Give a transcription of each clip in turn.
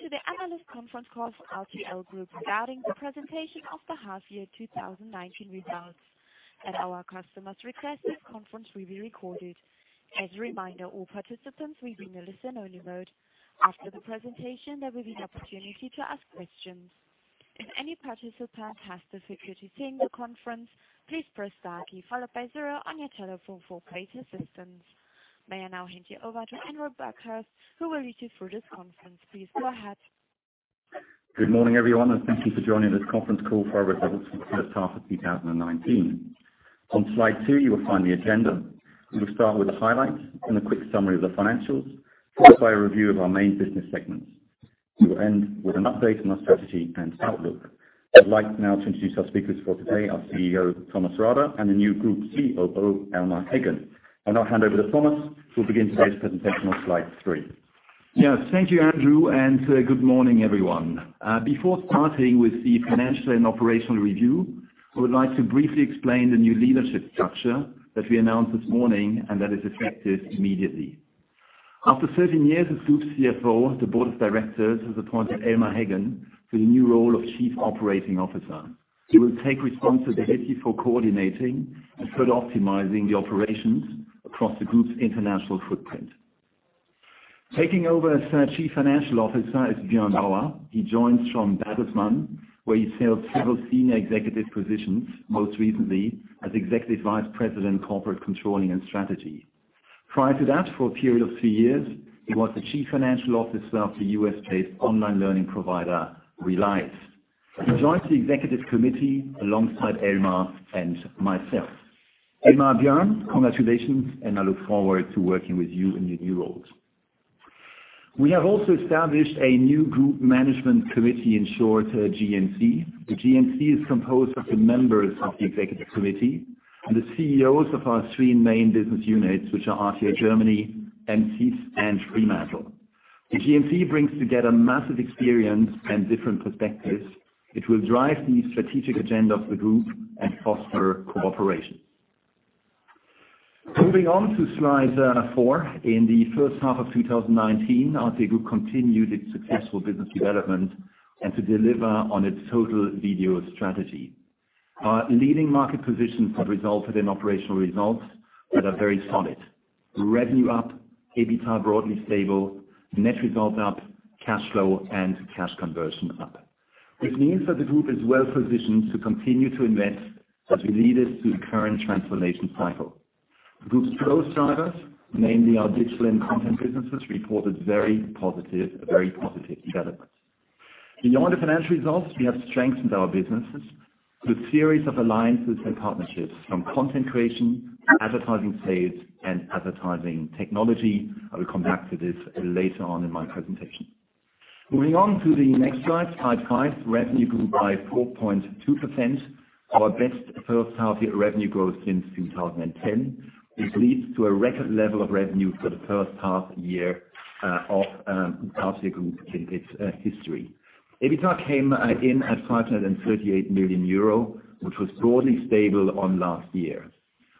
Welcome to the analyst conference call for RTL Group, starting the presentation of the half year 2019 results. At our customers' request, this conference will be recorded. As a reminder, all participants will be in a listen-only mode. After the presentation, there will be the opportunity to ask questions. If any participant has difficulty hearing the conference, please press star key followed by zero on your telephone for operator assistance. May I now hand you over to Andrew Buckhurst, who will lead you through this conference. Please go ahead. Good morning, everyone, and thank you for joining this conference call for our results for the first half of 2019. On slide two, you will find the agenda. We will start with the highlights and a quick summary of the financials, followed by a review of our main business segments. We will end with an update on our strategy and outlook. I'd like now to introduce our speakers for today, our CEO, Thomas Rabe, and the new Group COO, Elmar Heggen. I'll now hand over to Thomas, who will begin today's presentation on slide three. Yes. Thank you, Andrew, good morning, everyone. Before starting with the financial and operational review, I would like to briefly explain the new leadership structure that we announced this morning and that is effective immediately. After 13 years as Group CFO, the board of directors has appointed Elmar Heggen to the new role of Chief Operating Officer. He will take responsibility for coordinating and further optimizing the operations across the Group's international footprint. Taking over as Chief Financial Officer is Björn Bauer. He joins from Dassault Systèmes, where he's held several senior executive positions, most recently as Executive Vice President, Corporate Controlling and Strategy. Prior to that, for a period of three years, he was the Chief Financial Officer of the U.S.-based online learning provider, Relias. He joins the executive committee alongside Elmar and myself. Elmar, Björn, congratulations, and I look forward to working with you in your new roles. We have also established a new Group Management Committee, in short, GMC. The GMC is composed of the members of the executive committee and the CEOs of our three main business units, which are RTL Deutschland, M6, and Fremantle. The GMC brings together massive experience and different perspectives, which will drive the strategic agenda of the Group and foster cooperation. Moving on to slide four. In the first half of 2019, RTL Group continued its successful business development and to deliver on its total video strategy. Our leading market positions have resulted in operational results that are very solid. Revenue up, EBITDA broadly stable, net results up, cash flow and cash conversion up. Which means that the Group is well-positioned to continue to invest as we lead us through the current transformation cycle. The Group's growth drivers, namely our digital and content businesses, reported very positive developments. Beyond the financial results, we have strengthened our businesses with series of alliances and partnerships from content creation, advertising sales, and advertising technology. I will come back to this later on in my presentation. Moving on to the next slide five. Revenue grew by 4.2%, our best first half year revenue growth since 2010, which leads to a record level of revenue for the first half year of RTL Group in its history. EBITDA came in at 538 million euro, which was broadly stable on last year.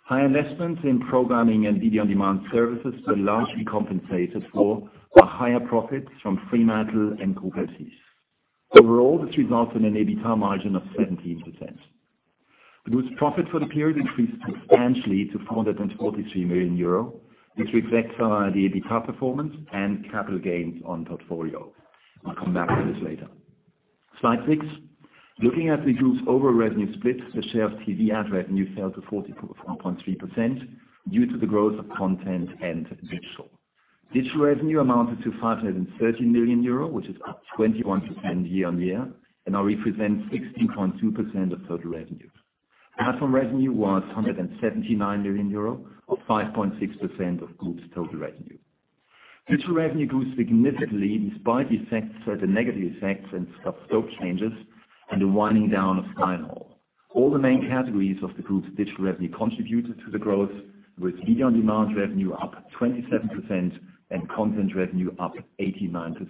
High investments in programming and video-on-demand services were largely compensated for by higher profits from Fremantle and Group NBCS. Overall, this results in an EBITDA margin of 17%. The Group's profit for the period increased substantially to 443 million euro, which reflects our EBITDA performance and capital gains on portfolio. I'll come back to this later. Slide six. Looking at the Group's overall revenue split, the share of TV ad revenue fell to 44.3% due to the growth of content and digital. Digital revenue amounted to 530 million euro, which is up 21% year-on-year, and now represents 16.2% of total revenue. Platform revenue was 179 million euro, or 5.6% of Group's total revenue. Digital revenue grew significantly despite the negative effects and scope changes and the winding down of Sky Mall. All the main categories of the Group's digital revenue contributed to the growth, with video-on-demand revenue up 27% and content revenue up 89%.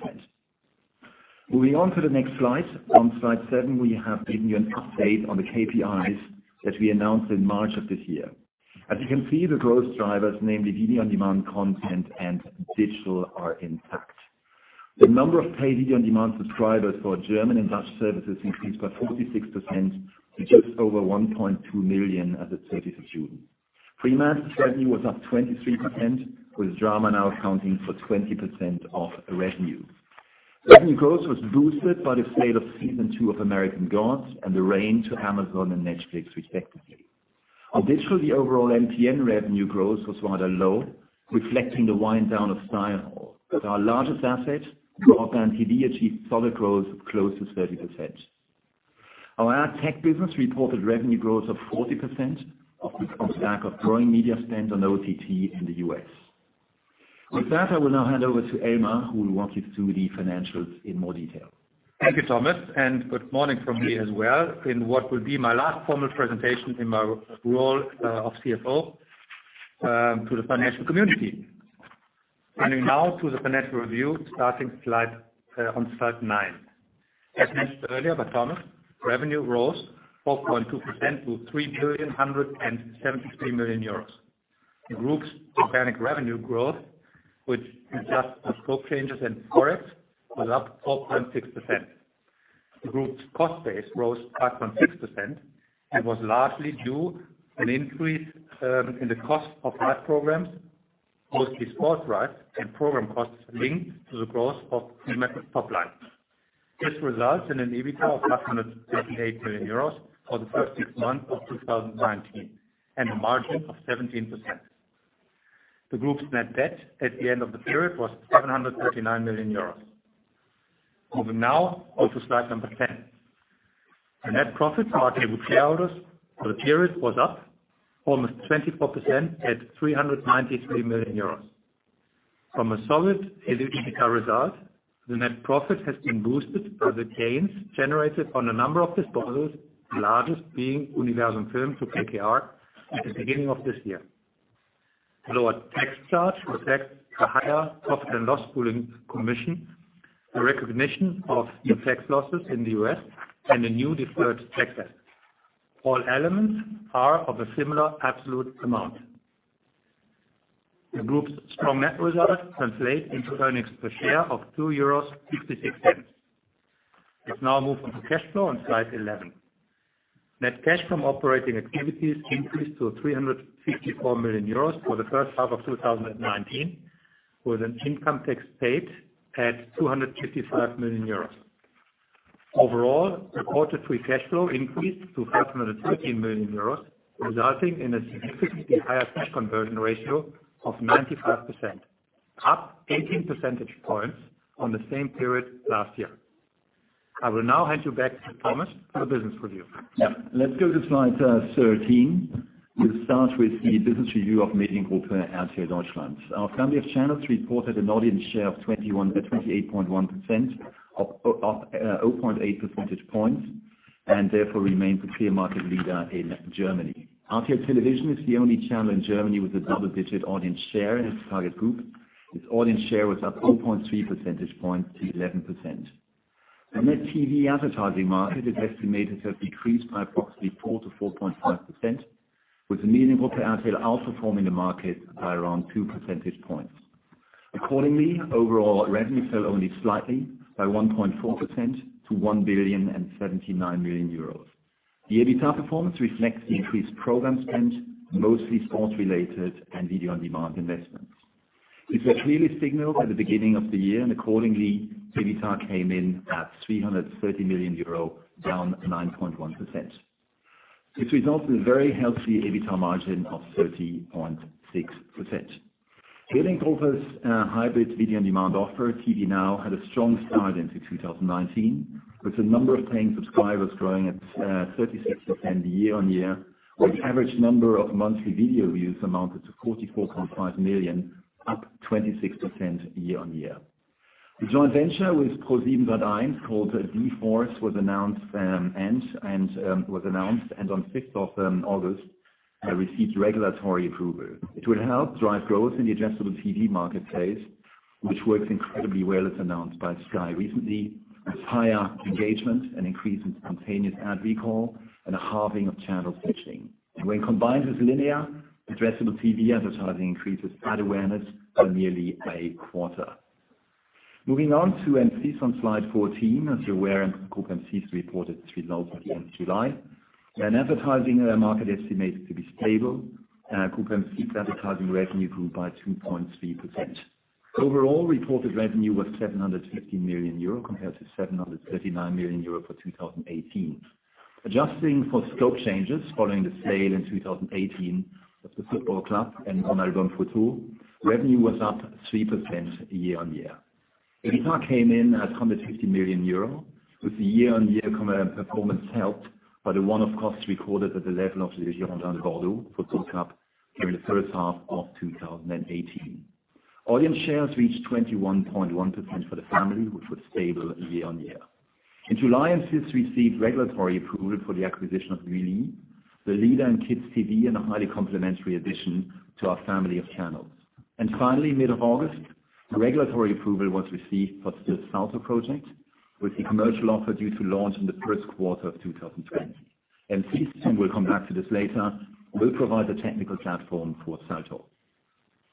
Moving on to the next slide. On slide 7, we have given you an update on the KPIs that we announced in March of this year. As you can see, the growth drivers, namely video-on-demand content and digital, are intact. The number of paid video-on-demand subscribers for German and Dutch services increased by 46% to just over 1.2 million as at June 30. Fremantle's revenue was up 23%, with Drama now accounting for 20% of revenue. Revenue growth was boosted by the sale of season two of "American Gods" and "The Rain" to Amazon and Netflix, respectively. On digital, the overall MCN revenue growth was rather low, reflecting the wind down of StyleHaul. As our largest asset, Divimove achieved solid growth of close to 30%. Our AdTech business reported revenue growth of 40%, off the back of growing media spend on OTT in the U.S. With that, I will now hand over to Elmar, who will walk you through the financials in more detail. Thank you, Thomas. Good morning from me as well in what will be my last formal presentation in my role of CFO, to the financial community. Running now through the financial review, starting on slide nine. As mentioned earlier by Thomas, revenue rose 4.2% to 3 billion euros, 173 million. The group's organic revenue growth, which adjusts for scope changes and Forex, was up 4.6%. The group's cost base rose 5.6% and was largely due to an increase in the cost of live programs, mostly sports rights and program costs linked to the growth of the method top line. This results in an EBITDA of 538 million euros for the first six months of 2019, and a margin of 17%. The group's net debt at the end of the period was 739 million euros. Moving now on to slide number 10. The net profits attributable to shareholders for the period was up almost 24% at 393 million euros. From a solid EBITDA result, the net profit has been boosted by the gains generated on a number of disposals, the largest being Universum Film to KKR at the beginning of this year. A lower tax charge reflects the higher profit and loss pooling commission, the recognition of the tax losses in the U.S., and a new deferred tax asset. All elements are of a similar absolute amount. The group's strong net results translate into earnings per share of 2.66 euros. Let's now move on to cash flow on slide 11. Net cash from operating activities increased to 354 million euros for the first half of 2019, with an income tax paid at 255 million euros. Overall, the quarter three cash flow increased to 513 million euros, resulting in a significantly higher cash conversion ratio of 95%, up 18 percentage points on the same period last year. I will now hand you back to Thomas for the business review. Yeah. Let's go to slide 13. We'll start with the business review of Mediengruppe RTL Deutschland. Our family of channels reported an audience share of 28.1%, up 0.8 percentage points, and therefore remains the clear market leader in Germany. RTL Television is the only channel in Germany with a double-digit audience share in its target group. Its audience share was up 0.3 percentage points to 11%. The net TV advertising market is estimated to have decreased by approximately 4%-4.5%, with the Mediengruppe RTL outperforming the market by around two percentage points. Accordingly, overall revenue fell only slightly, by 1.4% to 1 billion and 79 million. The EBITDA performance reflects the increased program spend, mostly sports-related and video-on-demand investments. This was clearly signaled at the beginning of the year, and accordingly, EBITDA came in at 330 million euro, down 9.1%. This results in a very healthy EBITDA margin of 30.6%. Mediengruppe's hybrid video-on-demand offer, TV Now, had a strong start into 2019, with the number of paying subscribers growing at 36% year-on-year. With average number of monthly video views amounted to 44.5 million, up 26% year-on-year. The joint venture with ProSiebenSat.1, called d-force, was announced, and on sixth of August, received regulatory approval. It will help drive growth in the addressable TV market space, which works incredibly well, as announced by Sky recently. With higher engagement, an increase in spontaneous ad recall, and a halving of channel switching. When combined with linear, addressable TV advertising increases ad awareness by nearly a quarter. Moving on to M6 on slide 14. As you're aware, Groupe M6 reported its results at the end of July. An advertising market estimated to be stable. Groupe M6 advertising revenue grew by 2.3%. Overall reported revenue was 750 million euro, compared to 739 million euro for 2018. Adjusting for scope changes following the sale in 2018 of the Football Club and RMC Sport, revenue was up 3% year-on-year. EBITDA came in at 150 million euro, with the year-on-year performance helped by the one-off costs recorded at the level of the Girondins de Bordeaux Football Club during the first half of 2018. Audience shares reached 21.1% for the family, which was stable year-on-year. In July, M6 received regulatory approval for the acquisition of Gulli, the leader in kids TV and a highly complementary addition to our family of channels. Finally, mid of August, the regulatory approval was received for the Salto project, with the commercial offer due to launch in the first quarter of 2020. M6 team will come back to this later, will provide the technical platform for Salto.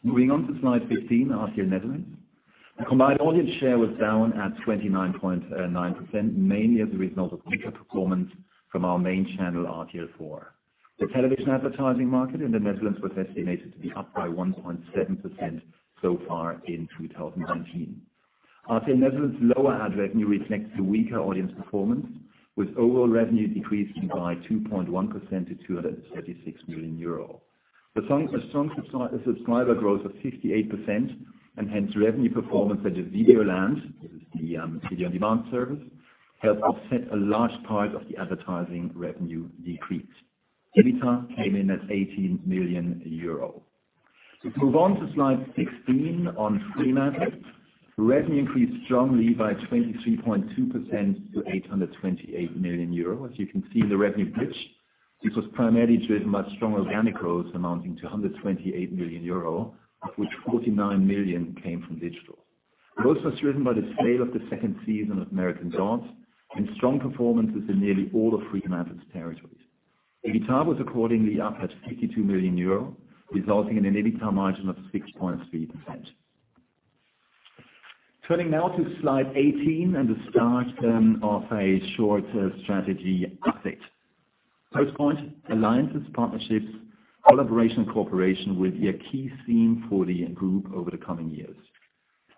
Moving on to slide 15, RTL Nederland. The combined audience share was down at 29.9%, mainly as a result of weaker performance from our main channel, RTL 4. The television advertising market in the Netherlands was estimated to be up by 1.7% so far in 2019. RTL Nederland's lower ad revenue reflects the weaker audience performance, with overall revenue decreasing by 2.1% to 236 million euro. The strong subscriber growth of 58%, and hence revenue performance at Videoland, which is the video-on-demand service, helped offset a large part of the advertising revenue decrease. EBITDA came in at 18 million euro. We move on to slide 16 on Fremantle. Revenue increased strongly by 23.2% to 828 million euro. As you can see in the revenue bridge. This was primarily driven by strong organic growth amounting to 128 million euro, of which 49 million came from digital. Growth was driven by the sale of the second season of "American Gods" and strong performances in nearly all of Fremantle's territories. EBITDA was accordingly up at 52 million euro, resulting in an EBITDA margin of 6.3%. Turning now to slide 18 and the start of a short strategy update. First point, alliances, partnerships, collaboration, and cooperation will be a key theme for the Group over the coming years.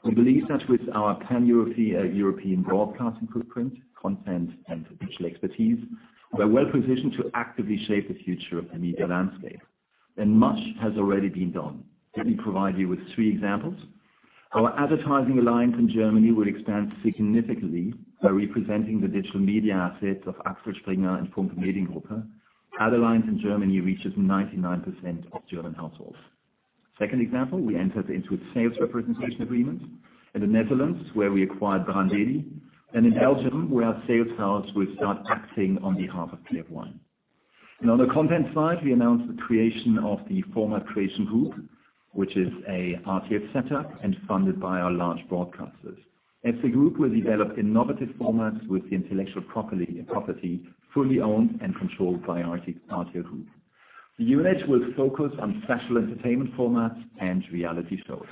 We believe that with our pan-European broadcasting footprint, content, and digital expertise, we are well positioned to actively shape the future of the media landscape, and much has already been done. Let me provide you with three examples. Our advertising alliance in Germany will expand significantly by representing the digital media assets of Axel Springer and Funke Mediengruppe. Our alliance in Germany reaches 99% of German households. Second example, we entered into a sales representation agreement in the Netherlands, where we acquired BrandDeli, and in Belgium, where our sales house will start acting on behalf of TF1. On the content side, we announced the creation of the Format Creation Group, which is a RTL center and funded by our large broadcasters. As a group, we developed innovative formats with intellectual property fully owned and controlled by RTL Group. The unit will focus on factual entertainment formats and reality shows.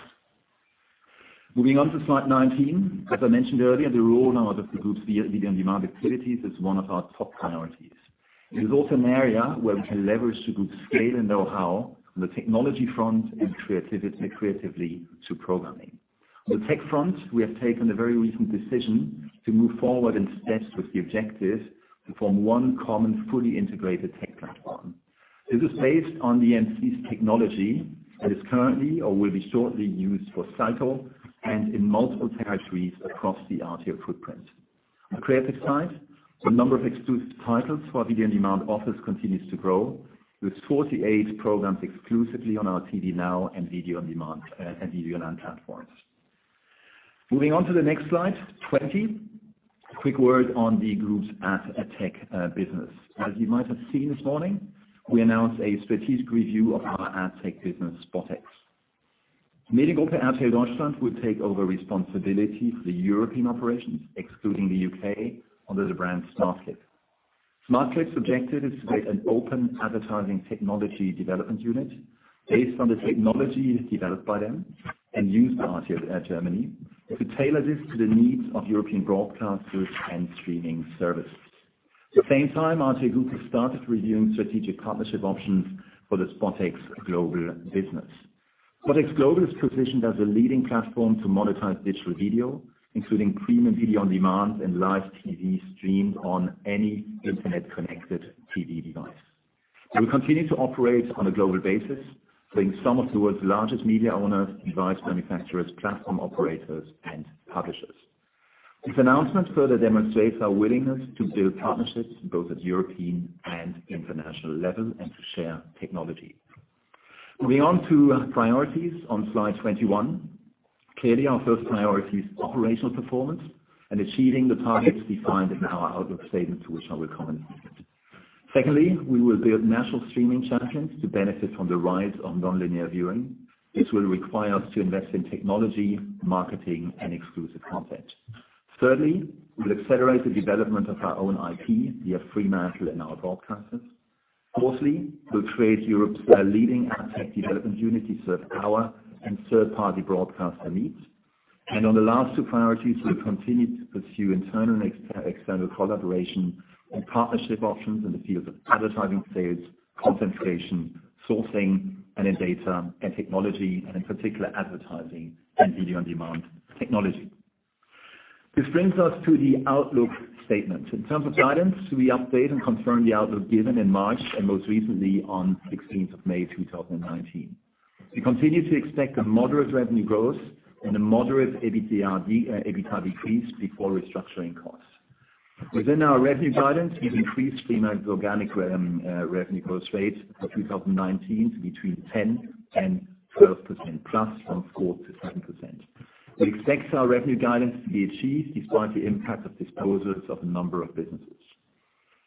Moving on to slide 19. As I mentioned earlier, the role now of the group's video-on-demand activities is one of our top priorities. It is also an area where we can leverage the group's scale and know-how on the technology front and creatively to programming. On the tech front, we have taken a very recent decision to move forward in steps with the objective to form one common, fully integrated tech platform. This is based on the M6's technology that is currently or will be shortly used for Salto and in multiple territories across the RTL footprint. On the creative side, the number of exclusive titles for our video-on-demand offers continues to grow, with 48 programs exclusively on our TV Now and video-on-demand platforms. Moving on to the next slide, 20. A quick word on the group's AdTech business. As you might have seen this morning, we announced a strategic review of our AdTech business, SpotX. Mediengruppe RTL Deutschland will take over responsibility for the European operations, excluding the U.K., under the brand Smartclip. Smartclip's objective is to create an open advertising technology development unit based on the technology developed by them and used by RTL Deutschland, to tailor this to the needs of European broadcasters and streaming services. At the same time, RTL Group has started reviewing strategic partnership options for the SpotX global business. SpotX Global is positioned as a leading platform to monetize digital video, including premium video-on-demand, and live TV streamed on any internet-connected TV device. We will continue to operate on a global basis, bringing some of the world's largest media owners, device manufacturers, platform operators, and publishers. This announcement further demonstrates our willingness to build partnerships both at European and international level, and to share technology. Moving on to priorities on slide 21. Clearly, our first priority is operational performance and achieving the targets we find in our outlook statement, to which I will come in a minute. Secondly, we will build national streaming champions to benefit from the rise of non-linear viewing. This will require us to invest in technology, marketing, and exclusive content. Thirdly, we'll accelerate the development of our own IP via Fremantle and our broadcasters. Fourthly, we'll create Europe's leading AdTech development unit to serve our and third-party broadcaster needs. On the last two priorities, we will continue to pursue internal and external collaboration and partnership options in the fields of advertising sales, content creation, sourcing, and in data and technology, and in particular, advertising and video-on-demand technology. This brings us to the outlook statement. In terms of guidance, we update and confirm the outlook given in March and most recently on 16th of May 2019. We continue to expect a moderate revenue growth and a moderate EBITDA decrease before restructuring costs. Within our revenue guidance, we've increased Fremantle's organic revenue growth rate for 2019 to between 10% and 12% plus from 4%-7%. We expect our revenue guidance to be achieved despite the impact of disposals of a number of businesses.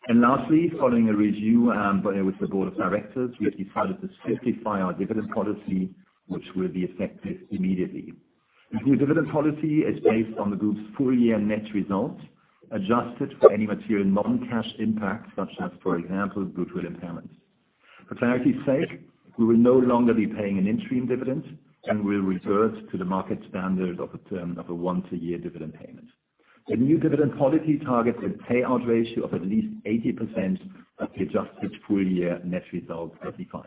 Lastly, following a review with the board of directors, we decided to simplify our dividend policy, which will be effective immediately. The new dividend policy is based on the group's full-year net results, adjusted for any material non-cash impact, such as, for example, goodwill impairments. For clarity's sake, we will no longer be paying an interim dividend and will revert to the market standard of a term of a once-a-year dividend payment. The new dividend policy targets a payout ratio of at least 80% of the adjusted full-year net results as defined.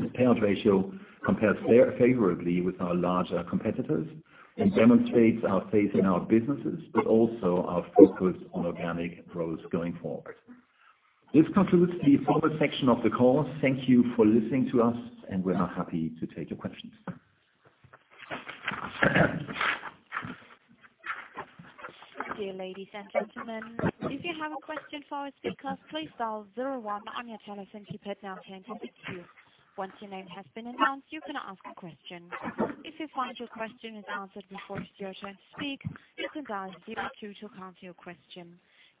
The payout ratio compares favorably with our larger competitors and demonstrates our faith in our businesses, but also our focus on organic growth going forward. This concludes the forward section of the call. Thank you for listening to us. We are now happy to take your questions. Dear ladies and gentlemen, if you have a question for our speakers, please dial 01 on your telephone keypad now to unmute you. Once your name has been announced, you can ask a question. If you find your question is answered before it's your turn to speak, you can dial * two to uncue your question.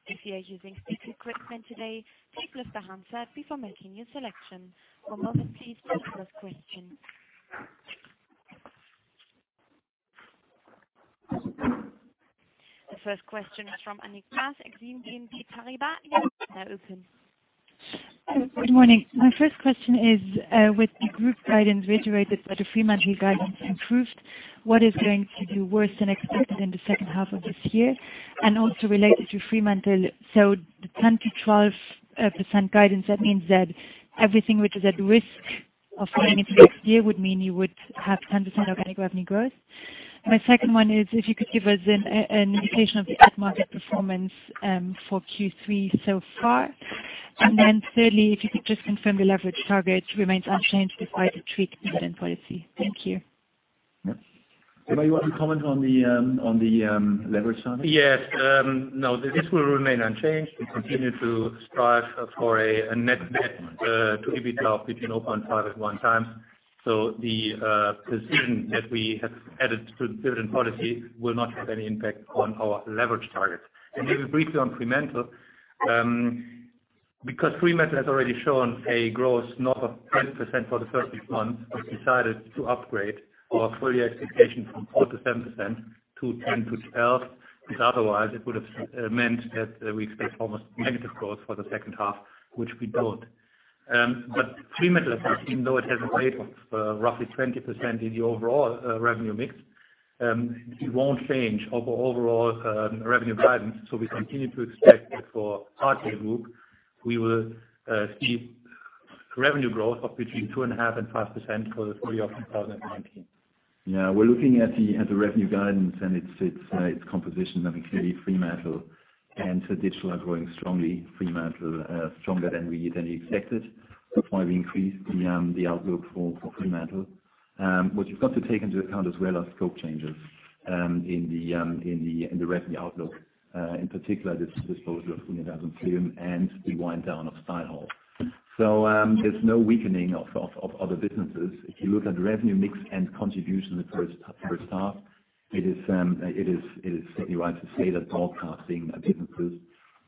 If you are using speaker equipment today, please lift the handset before making your selection. One moment please for the first question. The first question is from Annick Baas, Exane BNP Paribas. Your line is now open. Good morning. My first question is, with the group guidance reiterated that the Fremantle guidance improved, what is going to be worse than expected in the second half of this year? Also related to Fremantle, so the 10%-12% guidance, that means that everything which is at risk of falling into next year would mean you would have 10% organic revenue growth. My second one is if you could give us an indication of the ad market performance for Q3 so far. Thirdly, if you could just confirm the leverage target remains unchanged despite the tweaked dividend policy. Thank you. Thomas. Thomas, you want to comment on the leverage target? Yes. This will remain unchanged. We continue to strive for a net debt to EBITDA between one target one time. The provision that we have added to the dividend policy will not have any impact on our leverage target. Briefly on Fremantle, because Fremantle has already shown a growth north of 20% for the first six months, we've decided to upgrade our full year expectation from 4%-7%, to 10%-12%, because otherwise it would have meant that we expect almost negative growth for the second half, which we don't. Fremantle, even though it has a weight of roughly 20% in the overall revenue mix, it won't change our overall revenue guidance. We continue to expect that for RTL Group, we will see revenue growth of between 2.5%-5% for the full year of 2019. Yeah, we're looking at the revenue guidance and its composition. I mean, clearly Fremantle and digital are growing strongly. Fremantle stronger than we expected. That's why we increased the outlook for Fremantle. What you've got to take into account as well are scope changes in the revenue outlook. In particular, the disposal of Universum Film and the wind down of StyleHaul. There's no weakening of other businesses. If you look at revenue mix and contribution for staff, it is certainly right to say that broadcasting businesses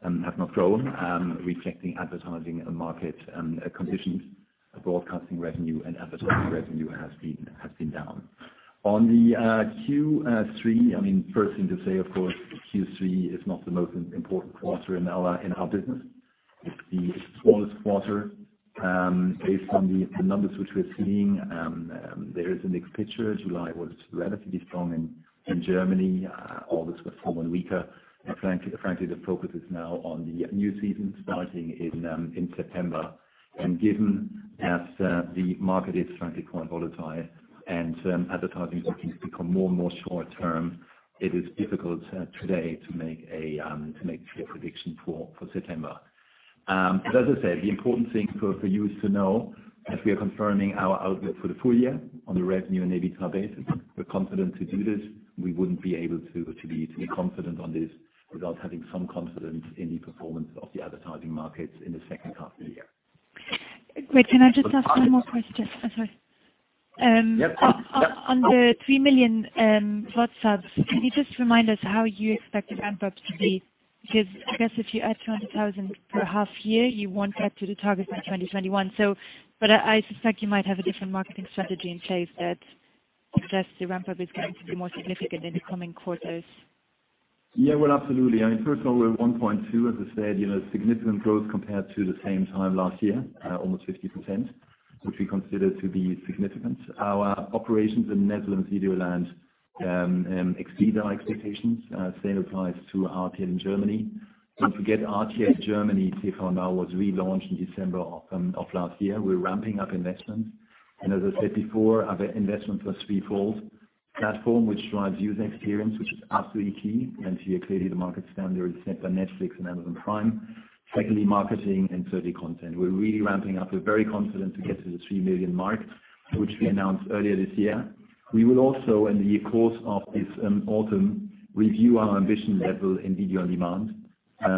have not grown, reflecting advertising market conditions. Broadcasting revenue and advertising revenue has been down. On the Q3, first thing to say, of course, Q3 is not the most important quarter in our business. It's the smallest quarter. Based on the numbers which we're seeing, there is a mixed picture. July was relatively strong in Germany. August was somewhat weaker. Frankly, the focus is now on the new season starting in September. Given that the market is frankly quite volatile and advertising bookings become more and more short term, it is difficult today to make a clear prediction for September. As I said, the important thing for you is to know that we are confirming our outlook for the full year on the revenue and EBITDA base. We're confident to do this. We wouldn't be able to be confident on this without having some confidence in the performance of the advertising markets in the second half of the year. Wait, can I just ask one more question? I'm sorry. Yep. On the 3 million VOD subs, can you just remind us how you expect the ramp-up to be? I guess if you add 200,000 per half year, you won't get to the target for 2021. I suspect you might have a different marketing strategy in place that suggests the ramp-up is going to be more significant in the coming quarters. Yeah, well, absolutely. I mean, first of all, we're at 1.2. As I said, significant growth compared to the same time last year, almost 50%, which we consider to be significant. Our operations in Netherlands Videoland exceed our expectations. Same applies to RTL in Germany. Don't forget, RTL Germany, TV Now was relaunched in December of last year. We're ramping up investment. As I said before, our investment was threefold. Platform, which drives user experience, which is absolutely key. Here, clearly the market standard is set by Netflix and Amazon Prime. Secondly, marketing and thirdly, content. We're really ramping up. We're very confident to get to the 3 million mark, which we announced earlier this year. We will also, in the course of this autumn, review our ambition level in video-on-demand,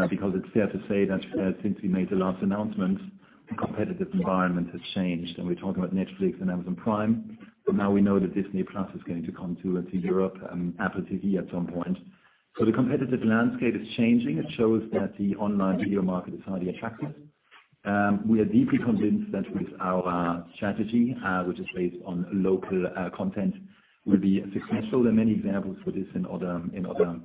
because it's fair to say that since we made the last announcement, the competitive environment has changed. We're talking about Netflix and Amazon Prime. Now we know that Disney+ is going to come to Europe and Apple TV at some point. The competitive landscape is changing. It shows that the online video market is highly attractive. We are deeply convinced that with our strategy, which is based on local content, we'll be successful. There are many examples for this in other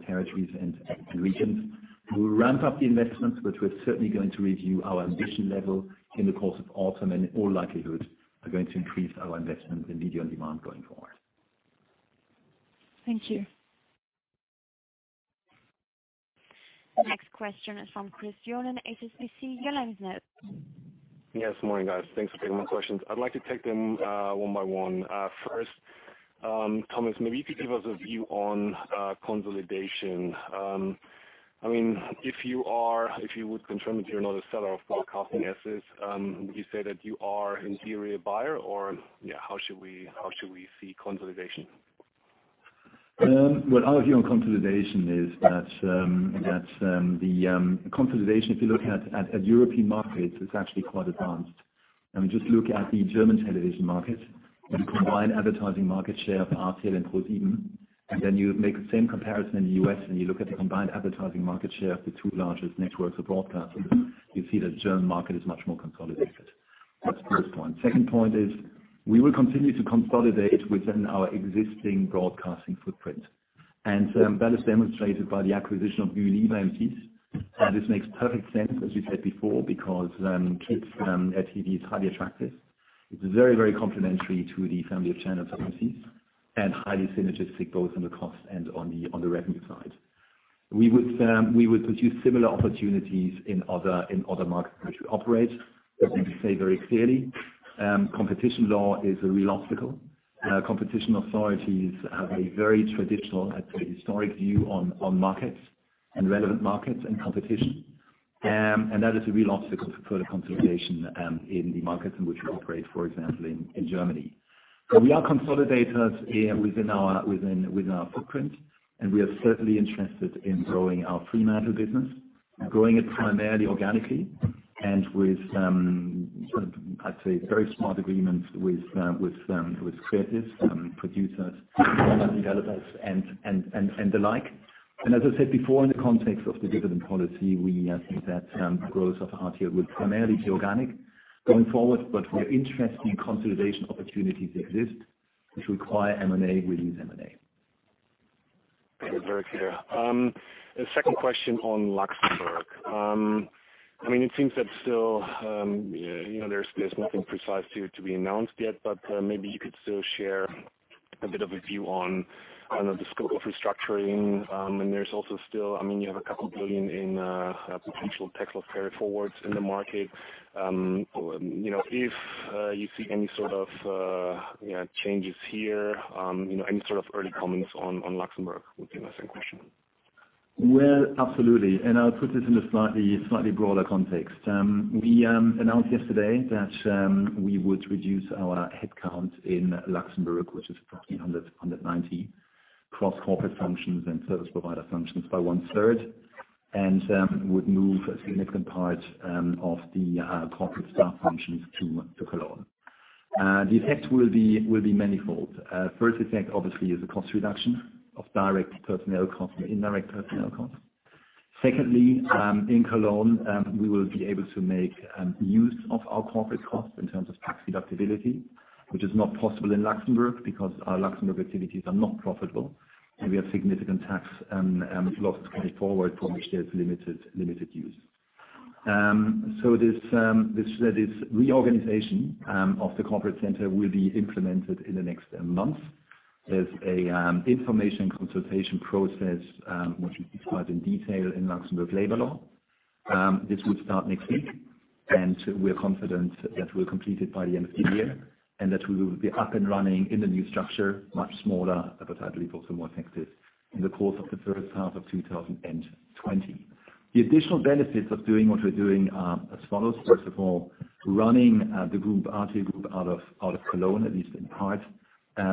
territories and regions. We'll ramp up the investments, but we're certainly going to review our ambition level in the course of autumn, and in all likelihood, are going to increase our investment in video-on-demand going forward. Thank you. Next question is from Christopher Johnen, HSBC. Your line is now open. Yes, morning, guys. Thanks for taking my questions. I'd like to take them one by one. First, Thomas, maybe you could give us a view on consolidation. If you would confirm that you're not a seller of broadcasting assets, would you say that you are in theory a buyer, or how should we see consolidation? Well, our view on consolidation is that the consolidation, if you look at European markets, is actually quite advanced. I mean, just look at the German television market and combine advertising market share of RTL and ProSieben, and then you make the same comparison in the U.S. and you look at the combined advertising market share of the two largest networks or broadcasters, you see that the German market is much more consolidated. That's the first point. Second point is we will continue to consolidate within our existing broadcasting footprint, and that is demonstrated by the acquisition of M6. This makes perfect sense, as we said before, because kids' TV is highly attractive. It's very complimentary to the family of channels at M6, and highly synergistic both on the cost and on the revenue side. We would pursue similar opportunities in other markets in which we operate. Let me say very clearly, competition law is a real obstacle. Competition authorities have a very traditional, a very historic view on markets and relevant markets and competition. That is a real obstacle for further consolidation in the markets in which we operate, for example, in Germany. We are consolidators within our footprint, and we are certainly interested in growing our Fremantle business, growing it primarily organically and with, I'd say, very smart agreements with creatives, producers, format developers and the like. As I said before, in the context of the dividend policy, we assume that growth of RTL would primarily be organic going forward, but we're interested in consolidation opportunities that exist, which require M&A. We use M&A. Very clear. A second question on Luxembourg. It seems that still there's nothing precise here to be announced yet, but maybe you could still share a bit of a view on the scope of restructuring. There's also still, you have a couple billion in potential tax loss carryforwards in the market. If you see any sort of changes here, any sort of early comments on Luxembourg would be my second question. Well, absolutely. I'll put this in a slightly broader context. We announced yesterday that we would reduce our headcount in Luxembourg, which is 1,490, cross corporate functions and service provider functions by one third, and would move a significant part of the corporate staff functions to Cologne. The effect will be manifold. First effect, obviously, is a cost reduction of direct personnel costs and indirect personnel costs. Secondly, in Cologne, we will be able to make use of our corporate costs in terms of tax deductibility, which is not possible in Luxembourg because our Luxembourg activities are not profitable, and we have significant tax loss carryforward for which there's limited use. This reorganization of the corporate center will be implemented in the next month. There's an information consultation process, which is described in detail in Luxembourg labor law. This would start next week, and we are confident that we'll complete it by the end of the year, and that we will be up and running in the new structure, much smaller, but hopefully also more effective in the course of the first half of 2020. The additional benefits of doing what we're doing are as follows. First of all, running the RTL Group out of Köln, at least in part,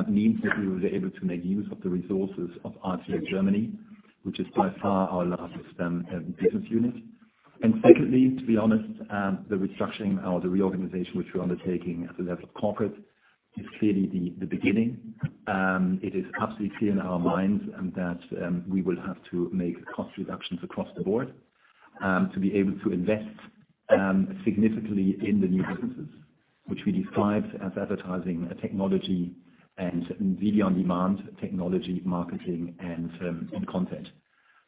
means that we will be able to make use of the resources of RTL Deutschland, which is by far our largest business unit. Secondly, to be honest, the restructuring or the reorganization which we're undertaking at the level of corporate is clearly the beginning. It is absolutely clear in our minds that we will have to make cost reductions across the board to be able to invest significantly in the new businesses, which we described as advertising technology and video on-demand technology, marketing, and content.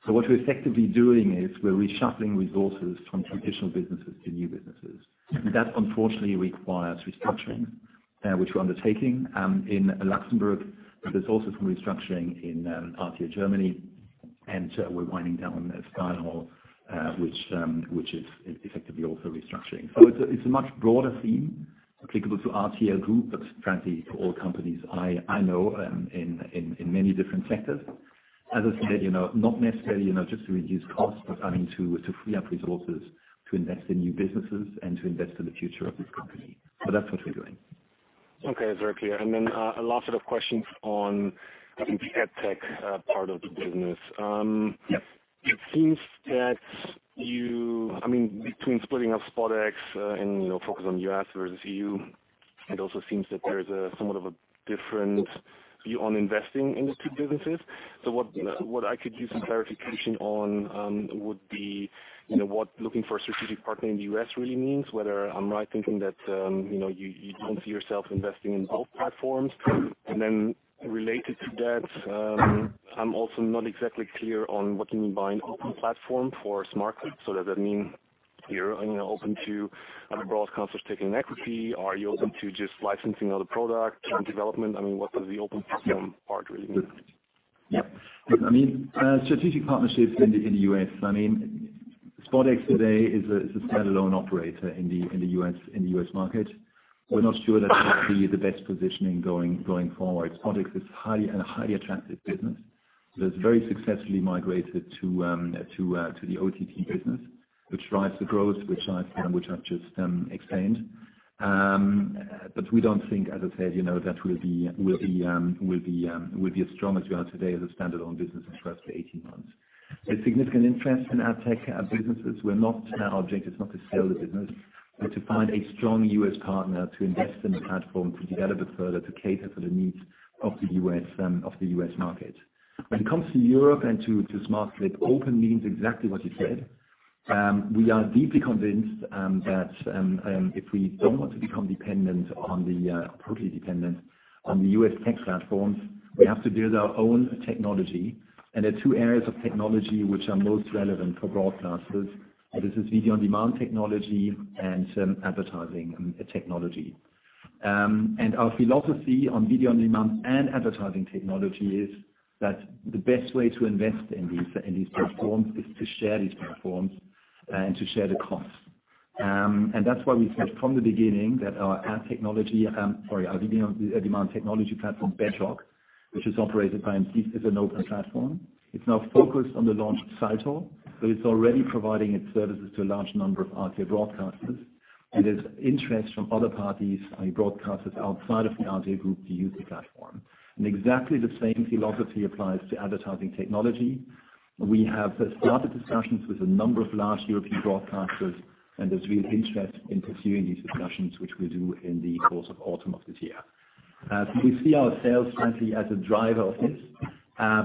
What we are effectively doing is we are reshuffling resources from traditional businesses to new businesses. That unfortunately requires restructuring, which we are undertaking in Luxembourg, but there is also some restructuring in RTL Deutschland, and we are winding down Skyfall, which is effectively also restructuring. It is a much broader theme applicable to RTL Group, but frankly, to all companies I know in many different sectors. As I said, not necessarily just to reduce costs, but to free up resources to invest in new businesses and to invest in the future of this company. That is what we are doing. Okay, very clear. A last set of questions on the AdTech part of the business. Yes. It seems that between splitting up SpotX and focus on U.S. versus EU, it also seems that there's somewhat of a different view on investing in the two businesses. What I could use some clarification on would be what looking for a strategic partner in the U.S. really means, whether I'm right thinking that you don't see yourself investing in both platforms. Related to that, I'm also not exactly clear on what you mean by an open platform for Smartclip. Does that mean you're open to broadcasters taking equity? Are you open to just licensing out the product and development? What does the open platform part really mean? Yep. Strategic partnerships in the U.S. SpotX today is a standalone operator in the U.S. market. We're not sure that that would be the best positioning going forward. SpotX is a highly attractive business that has very successfully migrated to the OTT business, which drives the growth, which I've just explained. We don't think, as I said, that will be as strong as we are today as a standalone business in trust for 18 months. A significant interest in our tech businesses. Our objective is not to sell the business, but to find a strong U.S. partner to invest in the platform, to develop it further, to cater for the needs of the U.S. market. When it comes to Europe and to Smartclip, open means exactly what you said. We are deeply convinced that if we don't want to become totally dependent on the U.S. tech platforms, we have to build our own technology. The two areas of technology which are most relevant for broadcasters, this is video-on-demand technology and advertising technology. Our philosophy on video-on-demand and advertising technology is that the best way to invest in these platforms is to share these platforms and to share the cost. That's why we said from the beginning that our video-on-demand technology platform, Bedrock, which is operated by Incipit, is an open platform. It's now focused on the launch of Zatoo, but it's already providing its services to a large number of RTL broadcasters, and there's interest from other parties, broadcasters outside of the RTL Group, to use the platform. Exactly the same philosophy applies to advertising technology. We have started discussions with a number of large European broadcasters, and there's real interest in pursuing these discussions, which we'll do in the course of autumn of this year. We see ourselves currently as a driver of this,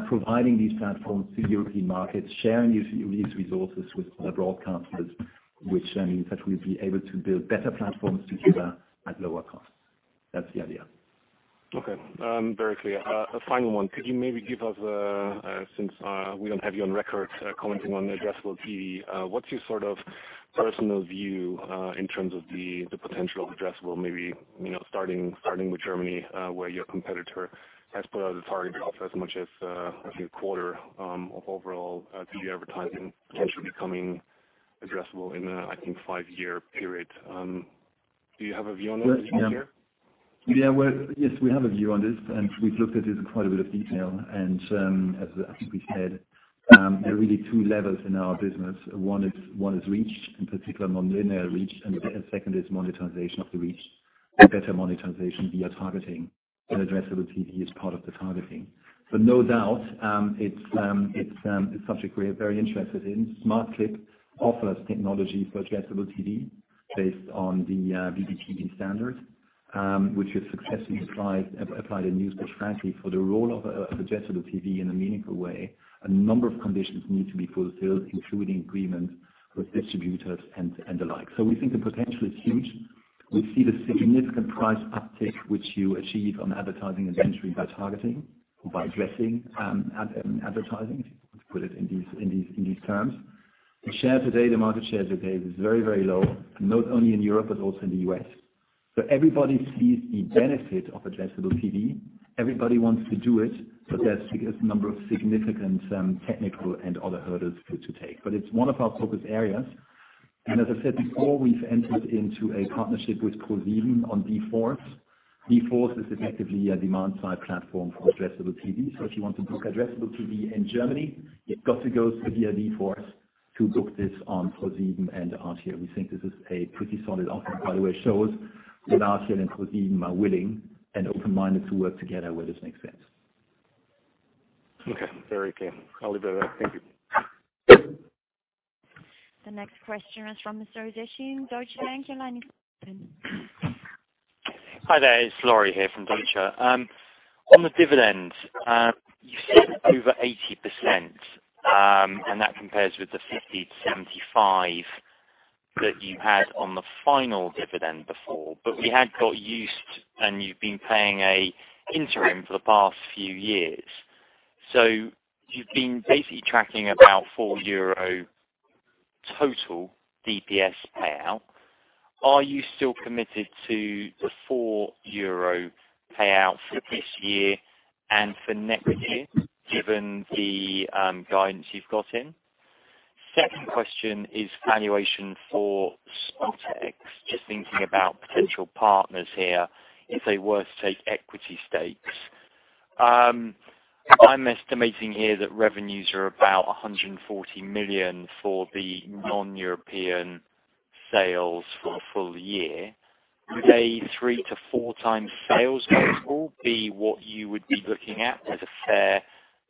providing these platforms to European markets, sharing these resources with other broadcasters, which means that we'll be able to build better platforms together at lower costs. That's the idea. Okay. Very clear. A final one. Could you maybe give us, since we don't have you on record, commenting on addressable TV, what's your personal view, in terms of the potential of addressable? Maybe starting with Germany, where your competitor has put out a target of as much as, I think, a quarter of overall TV advertising potentially becoming addressable in a, I think, five-year period. Do you have a view on it this year? Well, yes, we have a view on this, and we have looked at this in quite a bit of detail. As I think we said, there are really two levels in our business. One is reach, in particular non-linear reach, and second is monetization of the reach, better monetization via targeting, and addressable TV is part of the targeting. No doubt, it is a subject we are very interested in. Smartclip offers technology for addressable TV based on the HbbTV standard, which we have successfully applied in News Push, frankly. For the role of addressable TV in a meaningful way, a number of conditions need to be fulfilled, including agreement with distributors and the like. We think the potential is huge. We see the significant price uptick which you achieve on advertising inventory by targeting, by addressing advertising, to put it in these terms. The share today, the market share today, is very low, not only in Europe, but also in the U.S. Everybody sees the benefit of addressable TV. Everybody wants to do it, there's a number of significant technical and other hurdles to take. It's one of our focus areas. As I said before, we've entered into a partnership with ProSieben on d-force. d-force is effectively a demand-side platform for addressable TV. If you want to book addressable TV in Germany, you've got to go via d-force to book this on ProSieben and RTL. We think this is a pretty solid offer, by the way, shows that RTL and ProSieben are willing and open-minded to work together where this makes sense. Okay. Very clear. I'll leave it at that. Thank you. The next question is from Mr. Zeghir, Deutsche Bank. Your line is open. Hi there. It's Laurie here from Deutsche. On the dividend, you said over 80%, and that compares with the 50%-75% that you had on the final dividend before. We had got used, and you've been paying an interim for the past few years. You've been basically tracking about 4 euro total DPS payout. Are you still committed to the 4 euro payout for this year and for next year, given the guidance you've gotten? Second question is valuation for SpotX. Just thinking about potential partners here if they were to take equity stakes. I'm estimating here that revenues are about 140 million for the non-European sales for full year. Would a 3 to 4 times sales multiple be what you would be looking at as a fair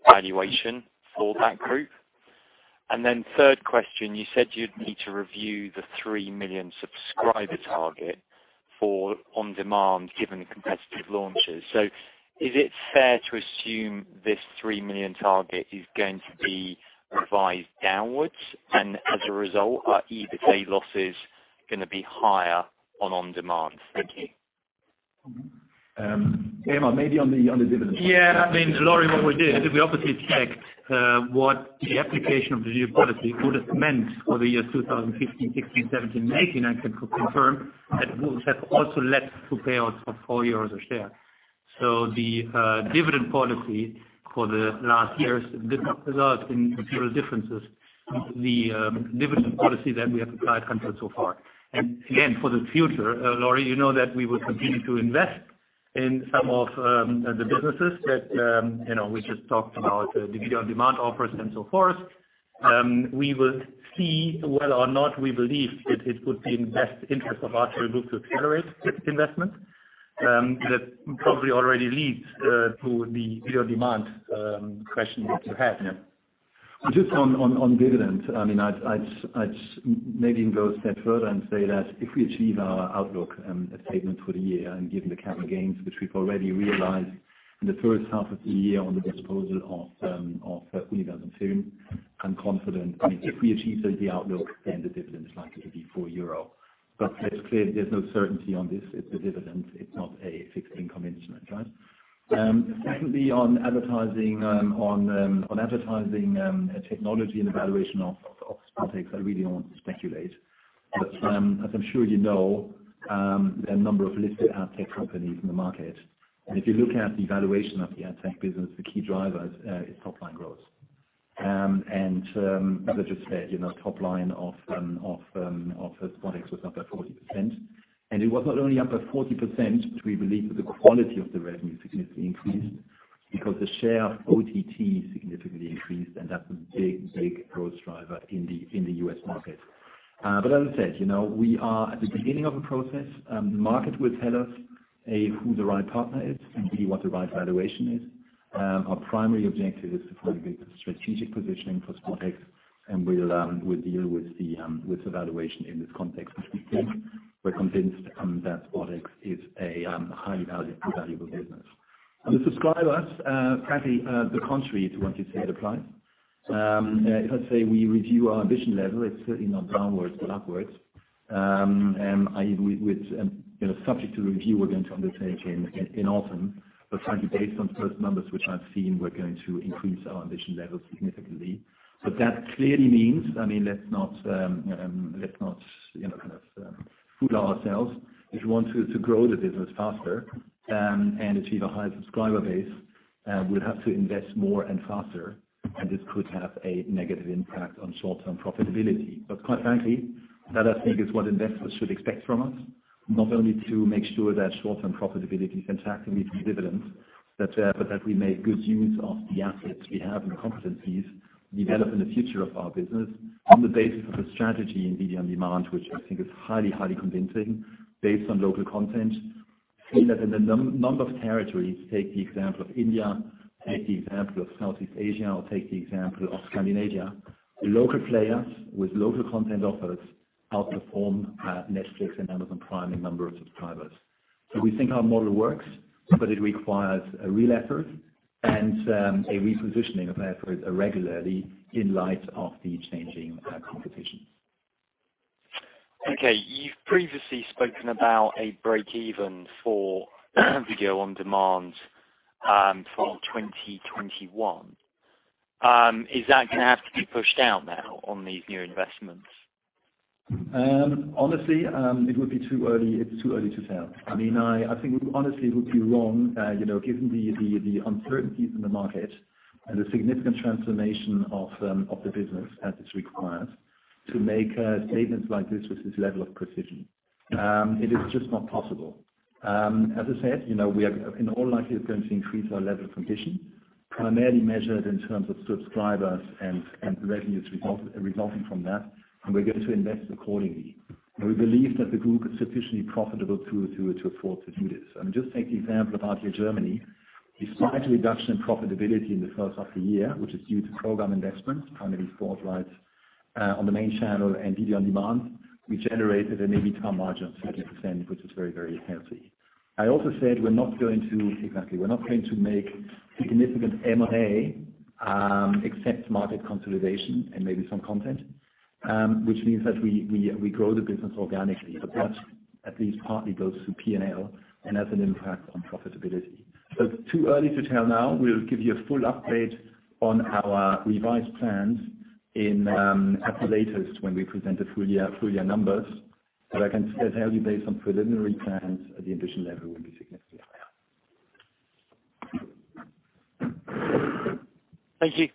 valuation for that group? Third question, you said you'd need to review the 3 million subscriber target for on-demand, given the competitive launches. Is it fair to assume this 3 million target is going to be revised downwards, and as a result, are EBITDA losses going to be higher on on-demand? Thank you. Elmar, maybe on the dividend. Yeah. Laurie, what we did is we obviously checked what the application of the new policy would have meant for the years 2015, 2016, 2017, and 2018, and can confirm that would have also led to payouts of four EUR a share. The dividend policy for the last years did not result in material differences. The dividend policy that we have applied until so far. Again, for the future, Laurie, you know that we will continue to invest in some of the businesses that we just talked about, the video on demand offers and so forth, we will see whether or not we believe that it would be in the best interest of RTL Group to accelerate its investment. That probably already leads to the video on demand question that you have. Yeah. Just on dividends. I'd maybe even go a step further and say that if we achieve our outlook and statement for the year, and given the capital gains which we've already realized in the first half of the year on the disposal of Universum Film, I'm confident, if we achieve the outlook, then the dividend is likely to be 4 euro. It's clear there's no certainty on this. It's a dividend. It's not a fixed income instrument, right? Secondly, on advertising technology and the valuation of SpotX, I really don't want to speculate. As I'm sure you know, there are a number of listed AdTech companies in the market. If you look at the valuation of the AdTech business, the key driver is top-line growth. As I just said, top line of SpotX was up by 40%. It was not only up by 40%, but we believe that the quality of the revenue significantly increased because the share of OTT significantly increased, and that's a big growth driver in the U.S. market. As I said, we are at the beginning of a process. The market will tell us who the right partner is and really what the right valuation is. Our primary objective is to find a good strategic positioning for SpotX, and we'll deal with the valuation in this context. As we said, we're convinced that SpotX is a highly valuable business. On the subscribers, frankly, the contrary to what you said, apply. If I say we review our ambition level, it's certainly not downwards but upwards. Subject to review, we're going to undertake in autumn, frankly, based on the first numbers which I've seen, we're going to increase our ambition level significantly. That clearly means, let's not fool ourselves. If we want to grow the business faster and achieve a higher subscriber base, we'll have to invest more and faster, and this could have a negative impact on short-term profitability. Quite frankly, that I think is what investors should expect from us. Not only to make sure that short-term profitability is intact and we pay dividends, but that we make good use of the assets we have and the competencies, develop in the future of our business on the basis of a strategy in video on demand, which I think is highly convincing based on local content. We have a number of territories, take the example of India, take the example of Southeast Asia, or take the example of Scandinavia. Local players with local content offers outperform Netflix and Amazon Prime in number of subscribers. We think our model works, but it requires a real effort and a repositioning of efforts regularly in light of the changing competition. Okay. You've previously spoken about a break-even for video on demand for 2021. Is that going to have to be pushed out now on these new investments? Honestly, it's too early to tell. I think honestly it would be wrong, given the uncertainties in the market and the significant transformation of the business as is required to make statements like this with this level of precision. It is just not possible. As I said, we are in all likelihood going to increase our level of ambition, primarily measured in terms of subscribers and revenues resulting from that, and we're going to invest accordingly. We believe that the group is sufficiently profitable to afford to do this. Just take the example of RTL Deutschland. Despite a reduction in profitability in the first half of the year, which is due to program investments, primarily sports rights on the main channel and video on demand, we generated an EBITDA margin of 30%, which is very healthy. I also said we're not going to make significant M&A except market consolidation and maybe some content, which means that we grow the business organically. That at least partly goes through P&L and has an impact on profitability. It's too early to tell now. We'll give you a full update on our revised plans at the latest when we present the full-year numbers. I can tell you based on preliminary plans, the ambition level will be significantly higher. Thank you.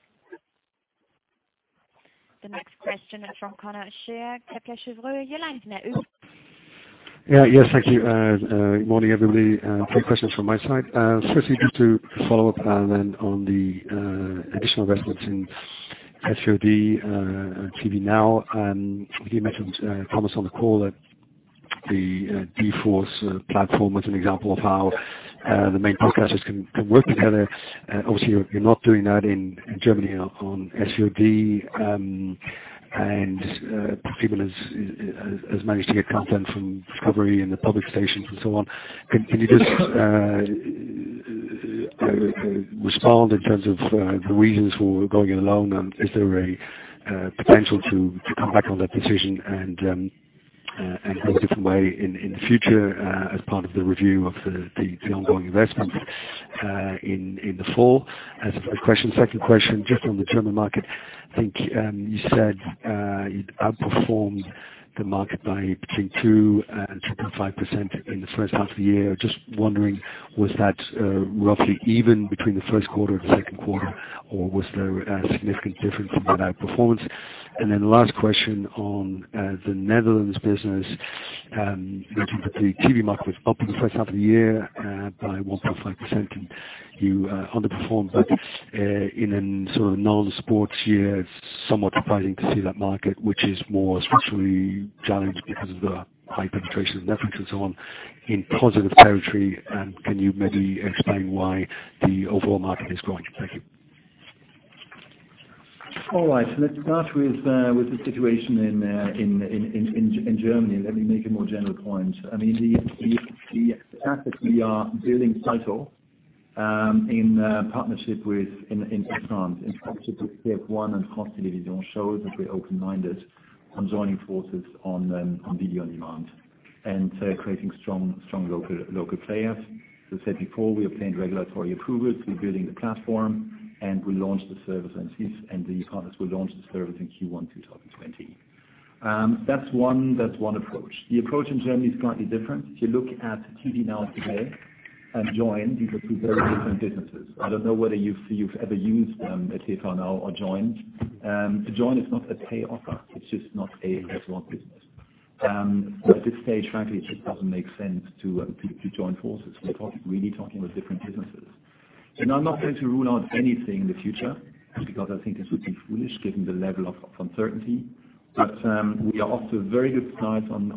The next question is from Conor O'Shea, Kepler Cheuvreux. You're unmuted. Yeah. Yes. Thank you. Morning, everybody. Three questions from my side. Firstly, just to follow up on the additional investments in SVOD and TV Now. You mentioned, Thomas, on the call that the d-force platform was an example of how the main broadcasters can work together. Obviously, you're not doing that in Germany on SVOD. ProSieben has managed to get content from Discovery and the public stations and so on. Can you just respond in terms of the reasons for going it alone, and is there a potential to come back on that decision and go a different way in the future as part of the review of the ongoing investments in the fall? As a first question. Second question, just on the German market. I think you said you'd outperformed the market by between 2% and 2.5% in the first half of the year. Just wondering, was that roughly even between the first quarter and the second quarter, or was there a significant difference in that outperformance? Last question on the Netherlands business. Noting that the TV market was up in the first half of the year by 1.5%, you underperformed that in a non-sports year. It's somewhat surprising to see that market, which is more structurally challenged because of the high penetration of Netflix and so on, in positive territory. Can you maybe explain why the overall market is growing? Thank you. All right. Let's start with the situation in Germany, and let me make a more general point. The fact that we are building Salto in partnership with TF1 and France Télévisions show that we're open-minded on joining forces on video on demand and creating strong local players. As I said before, we obtained regulatory approvals. We're building the platform, and we launched the service, and the partners will launch the service in Q1 2020. That's one approach. The approach in Germany is slightly different. If you look at TV Now today and Joyn, these are two very different businesses. I don't know whether you've ever used TV Now or Joyn. Joyn is not a pay offer. It's just not a TV Now business. At this stage, frankly, it just doesn't make sense to join forces. We're really talking about different businesses. I'm not going to rule out anything in the future because I think this would be foolish given the level of uncertainty. We are off to a very good start on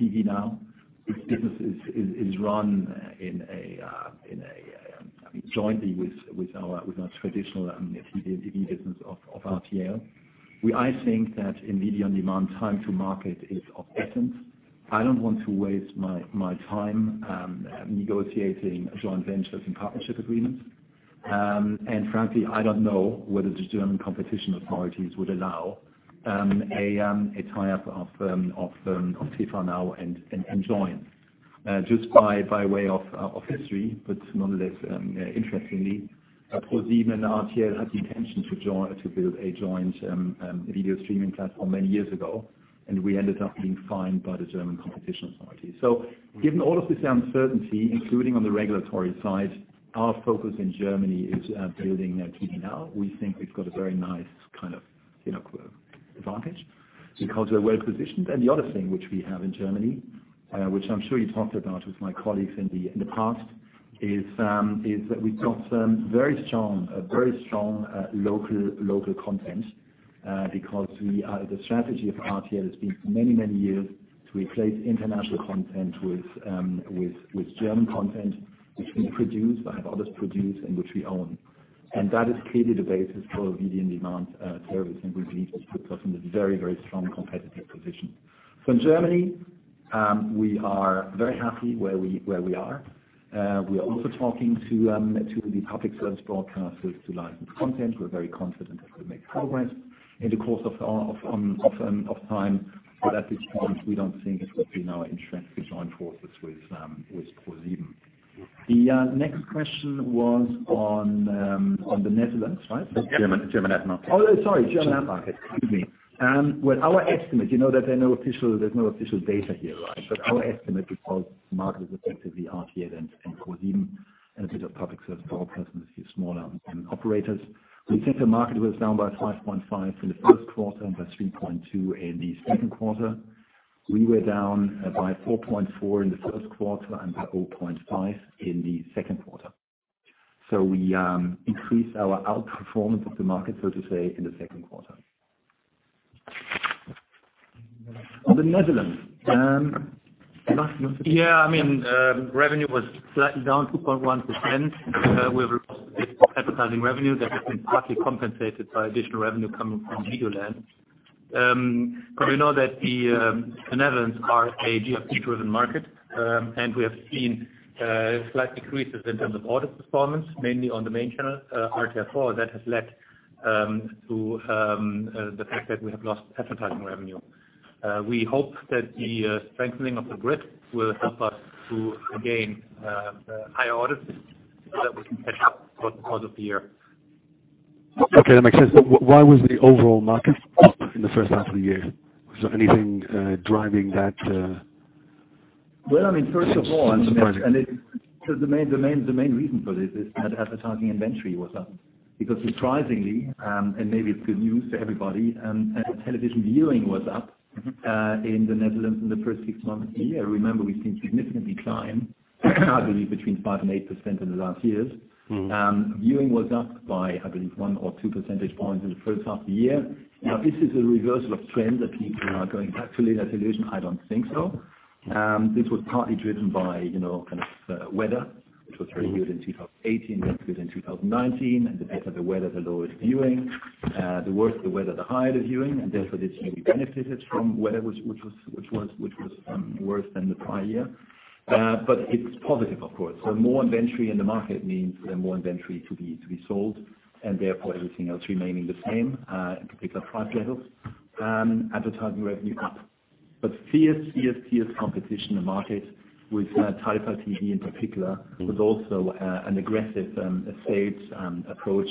TV Now, which business is run jointly with our traditional TV business of RTL. I think that in video on-demand, time to market is of essence. I don't want to waste my time negotiating joint ventures and partnership agreements. Frankly, I don't know whether the German competition authorities would allow a tie-up of TV Now and Joyn. Just by way of history, but nonetheless interestingly, ProSieben and RTL had the intention to build a joint video streaming platform many years ago, and we ended up being fined by the German competition authority. Given all of this uncertainty, including on the regulatory side, our focus in Germany is building TV Now. We think we've got a very nice advantage because we're well-positioned. The other thing which we have in Germany, which I'm sure you talked about with my colleagues in the past, is that we've got very strong local content because the strategy of RTL has been for many, many years to replace international content with German content, which we produce or have others produce, and which we own. That is clearly the basis for a video on-demand service, and we believe this puts us in a very, very strong competitive position. In Germany, we are very happy where we are. We are also talking to the public service broadcasters to license content. We're very confident that we'll make progress in the course of time. At this point, we don't think it would be in our interest to join forces with ProSieben. The next question was on the Netherlands, right? German ad market. Sorry, German ad market. Excuse me. With our estimate, you know that there's no official data here, right? Our estimate, because the market is effectively RTL and ProSieben, and a bit of public service broadcasters, a few smaller operators. We think the market was down by 5.5% in the first quarter and by 3.2% in the second quarter. We were down by 4.4% in the first quarter and by 0.5% in the second quarter. We increased our outperformance of the market, so to say, in the second quarter. On the Netherlands. Yeah, revenue was slightly down 2.1 to 10. We have a loss in advertising revenue that has been partly compensated by additional revenue coming from Videoland. We know that the Netherlands are a GRP-driven market, and we have seen slight decreases in terms of audit performance, mainly on the main channel, RTL 4, that has led to the fact that we have lost advertising revenue. We hope that the strengthening of the grid will help us to gain higher audits so that we can catch up for the course of the year. Okay, that makes sense. Why was the overall market up in the first half of the year? Well, it's surprising. The main reason for this is that advertising inventory was up. Surprisingly, and maybe it's good news to everybody, television viewing was up in the Netherlands in the first six months of the year. Remember, we've seen significant decline, I believe between 5% and 8% in the last years. Viewing was up by, I believe, 1 or 2 percentage points in the first half of the year. This is a reversal of trend that people are going back to linear television. I don't think so. This was partly driven by weather, which was very good in 2018, not good in 2019. The better the weather, the lower the viewing. The worse the weather, the higher the viewing, this maybe benefited from weather which was worse than the prior year. It's positive, of course. More inventory in the market means more inventory to be sold, and therefore everything else remaining the same, in particular price levels. Advertising revenue up. Fierce competition in the market with Talpa TV in particular, was also an aggressive sales approach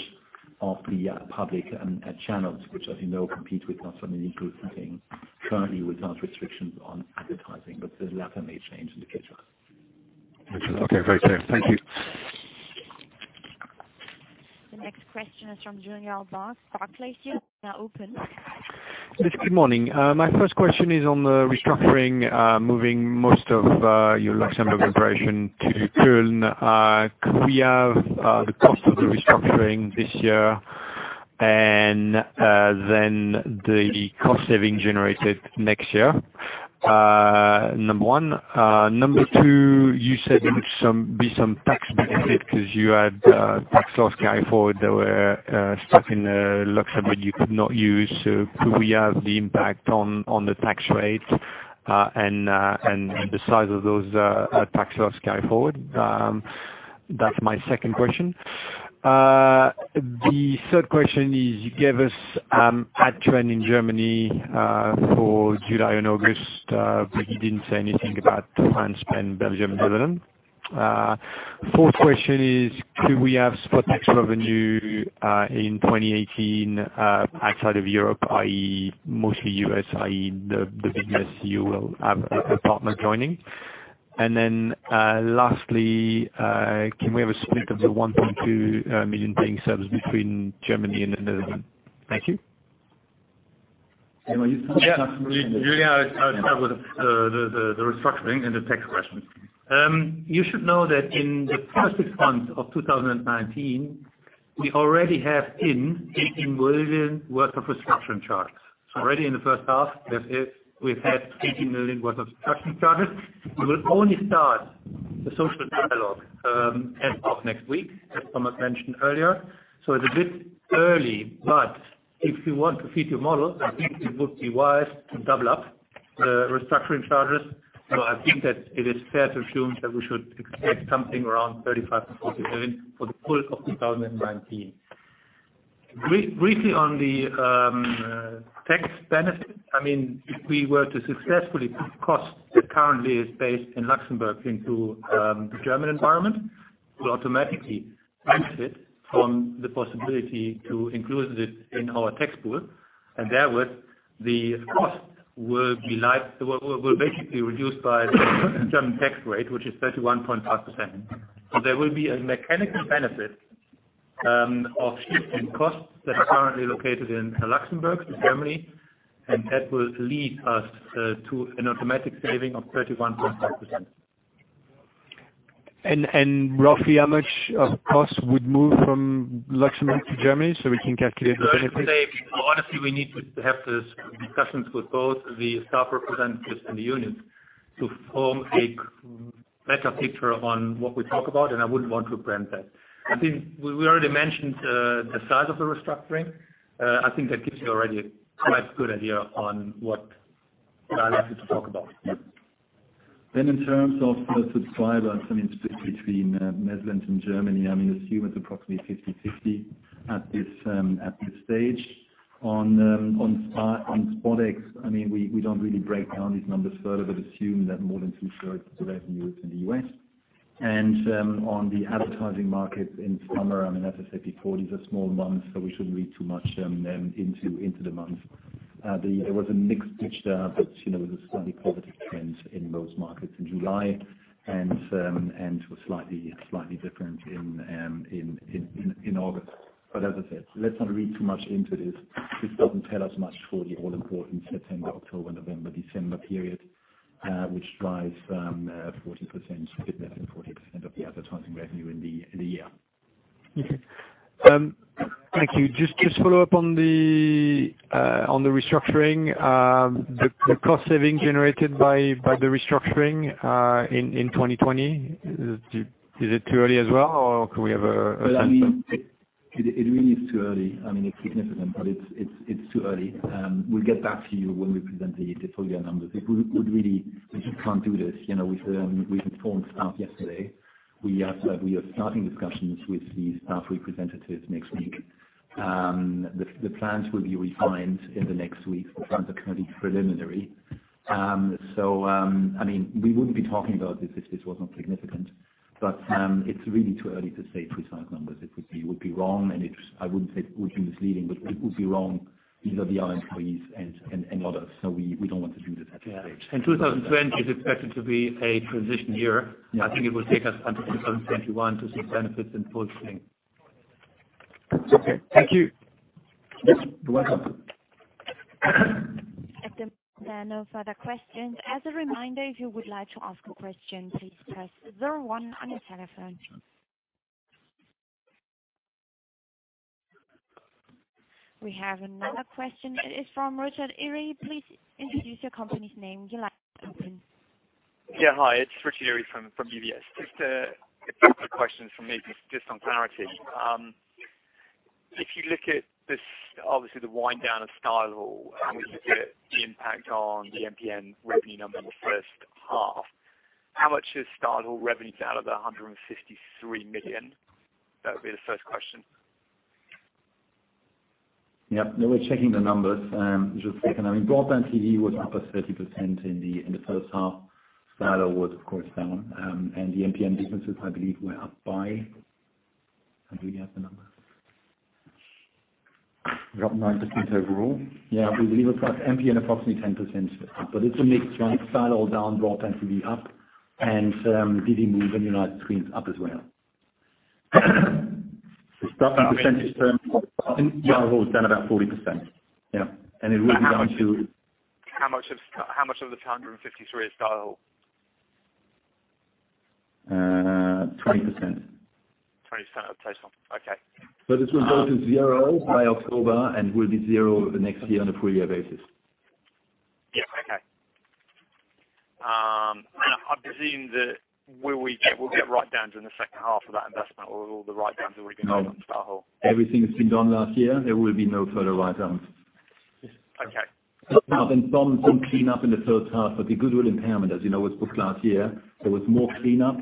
of the public channels, which, as you know, compete with us on linear broadcasting currently without restrictions on advertising, but the latter may change in the future. Okay, very clear. Thank you. The next question is from Julien Roch, Barclays. You are now open. Good morning. My first question is on the restructuring, moving most of your Luxembourg operation to Köln. Could we have the cost of the restructuring this year, and then the cost saving generated next year? Number one. Number two, you said there would be some tax benefit because you had tax loss carryforward that were stuck in Luxembourg you could not use. Could we have the impact on the tax rate, and the size of those tax loss carryforward? That's my second question. The third question is you gave us ad trend in Germany for July and August, but you didn't say anything about France, Spain, Belgium, Netherlands. Fourth question is, could we have SpotX revenue in 2018 outside of Europe, i.e., mostly U.S., i.e., the biggest you will have a partner joining? Lastly, can we have a split of the 1.2 million paying subs between Germany and the Netherlands? Thank you. Julien, I'll start with the restructuring and the tax questions. You should know that in the first six months of 2019, we already have in 18 million worth of restructuring charges. Already in the first half, we've had 18 million worth of restructuring charges. We will only start the social dialogue as of next week, as Thomas mentioned earlier. It's a bit early, but if you want to feed your models, I think it would be wise to double up the restructuring charges. I think that it is fair to assume that we should expect something around 35 million-40 million for the full of 2019. Briefly on the tax benefit, if we were to successfully move costs that currently is based in Luxembourg into the German environment, we'll automatically benefit from the possibility to include this in our tax pool, and therewith, the cost will basically reduce by the German tax rate, which is 31.5%. There will be a mechanical benefit of shifting costs that are currently located in Luxembourg to Germany, and that will lead us to an automatic saving of 31.5%. Roughly how much of the cost would move from Luxembourg to Germany so we can calculate the benefit? Honestly, we need to have discussions with both the staff representatives and the unions to form a better picture on what we talk about, and I wouldn't want to preempt that. I think we already mentioned the size of the restructuring. I think that gives you already a quite good idea on what I'd like you to talk about. In terms of the subscribers, split between Netherlands and Germany, I assume it's approximately 50/50 at this stage. On SpotX, we don't really break down these numbers further, but assume that more than two-thirds of the revenue is in the U.S. On the advertising market in summer, as I said before, these are small months, so we shouldn't read too much into the month. There was a mixed picture, but there was a slightly positive trend in most markets in July, and it was slightly different in August. As I said, let's not read too much into this. This doesn't tell us much for the all-important September, October, November, December period, which drives more than 40% of the advertising revenue in the year. Thank you. Just to follow up on the restructuring. The cost saving generated by the restructuring in 2020, is it too early as well, or could we have a sense? It really is too early. It's significant, but it's too early. We'll get back to you when we present the full year numbers. We really can't do this. We informed staff yesterday. We are starting discussions with the staff representatives next week. The plans will be refined in the next week. The plans are currently preliminary. We wouldn't be talking about this if this was not significant, but it's really too early to say precise numbers. It would be wrong, and I wouldn't say it would be misleading, but it would be wrong vis-à-vis our employees and others. We don't want to do this at this stage. Yeah. 2020 is expected to be a transition year. Yeah. I think it will take us until 2021 to see benefits in full swing. Okay. Thank you. You're welcome. At the moment, there are no further questions. As a reminder, if you would like to ask a question, please press zero one on your telephone. We have another question. It is from Richard Eary. Please introduce your company's name when you like, thanks. Yeah. Hi, it's Richard Eary from UBS. Just a couple of questions from me, just on clarity. If you look at, obviously, the wind down of StyleHaul, and when you get the impact on the MCN revenue number in the first half, how much is StyleHaul revenues out of the 163 million? That would be the first question. Yeah. No, we're checking the numbers, just a second. BroadbandTV was up as 30% in the first half. Stardoll was, of course, down. The MCN businesses, I believe, were up by. Do we have the numbers? Drop 9% overall. Yeah, with a MCN plus MPN approximately 10%. It's a mixed one. StyleHaul down, BroadbandTV up, Divimove and United Screens up as well. Starting percentage terms, StyleHaul is down about 40%. Yeah. It will be down to- How much of the 253 is StyleHaul? 20%. 20% of total. Okay. It will go to zero by October and will be zero over the next year on a full year basis. Yeah. Okay. I presume that we'll get write-downs in the second half of that investment, or all the write-downs will be done on StyleHaul. No. Everything has been done last year. There will be no further write-downs. Okay. There's been some clean up in the first half. The goodwill impairment, as you know, was booked last year. There was more clean up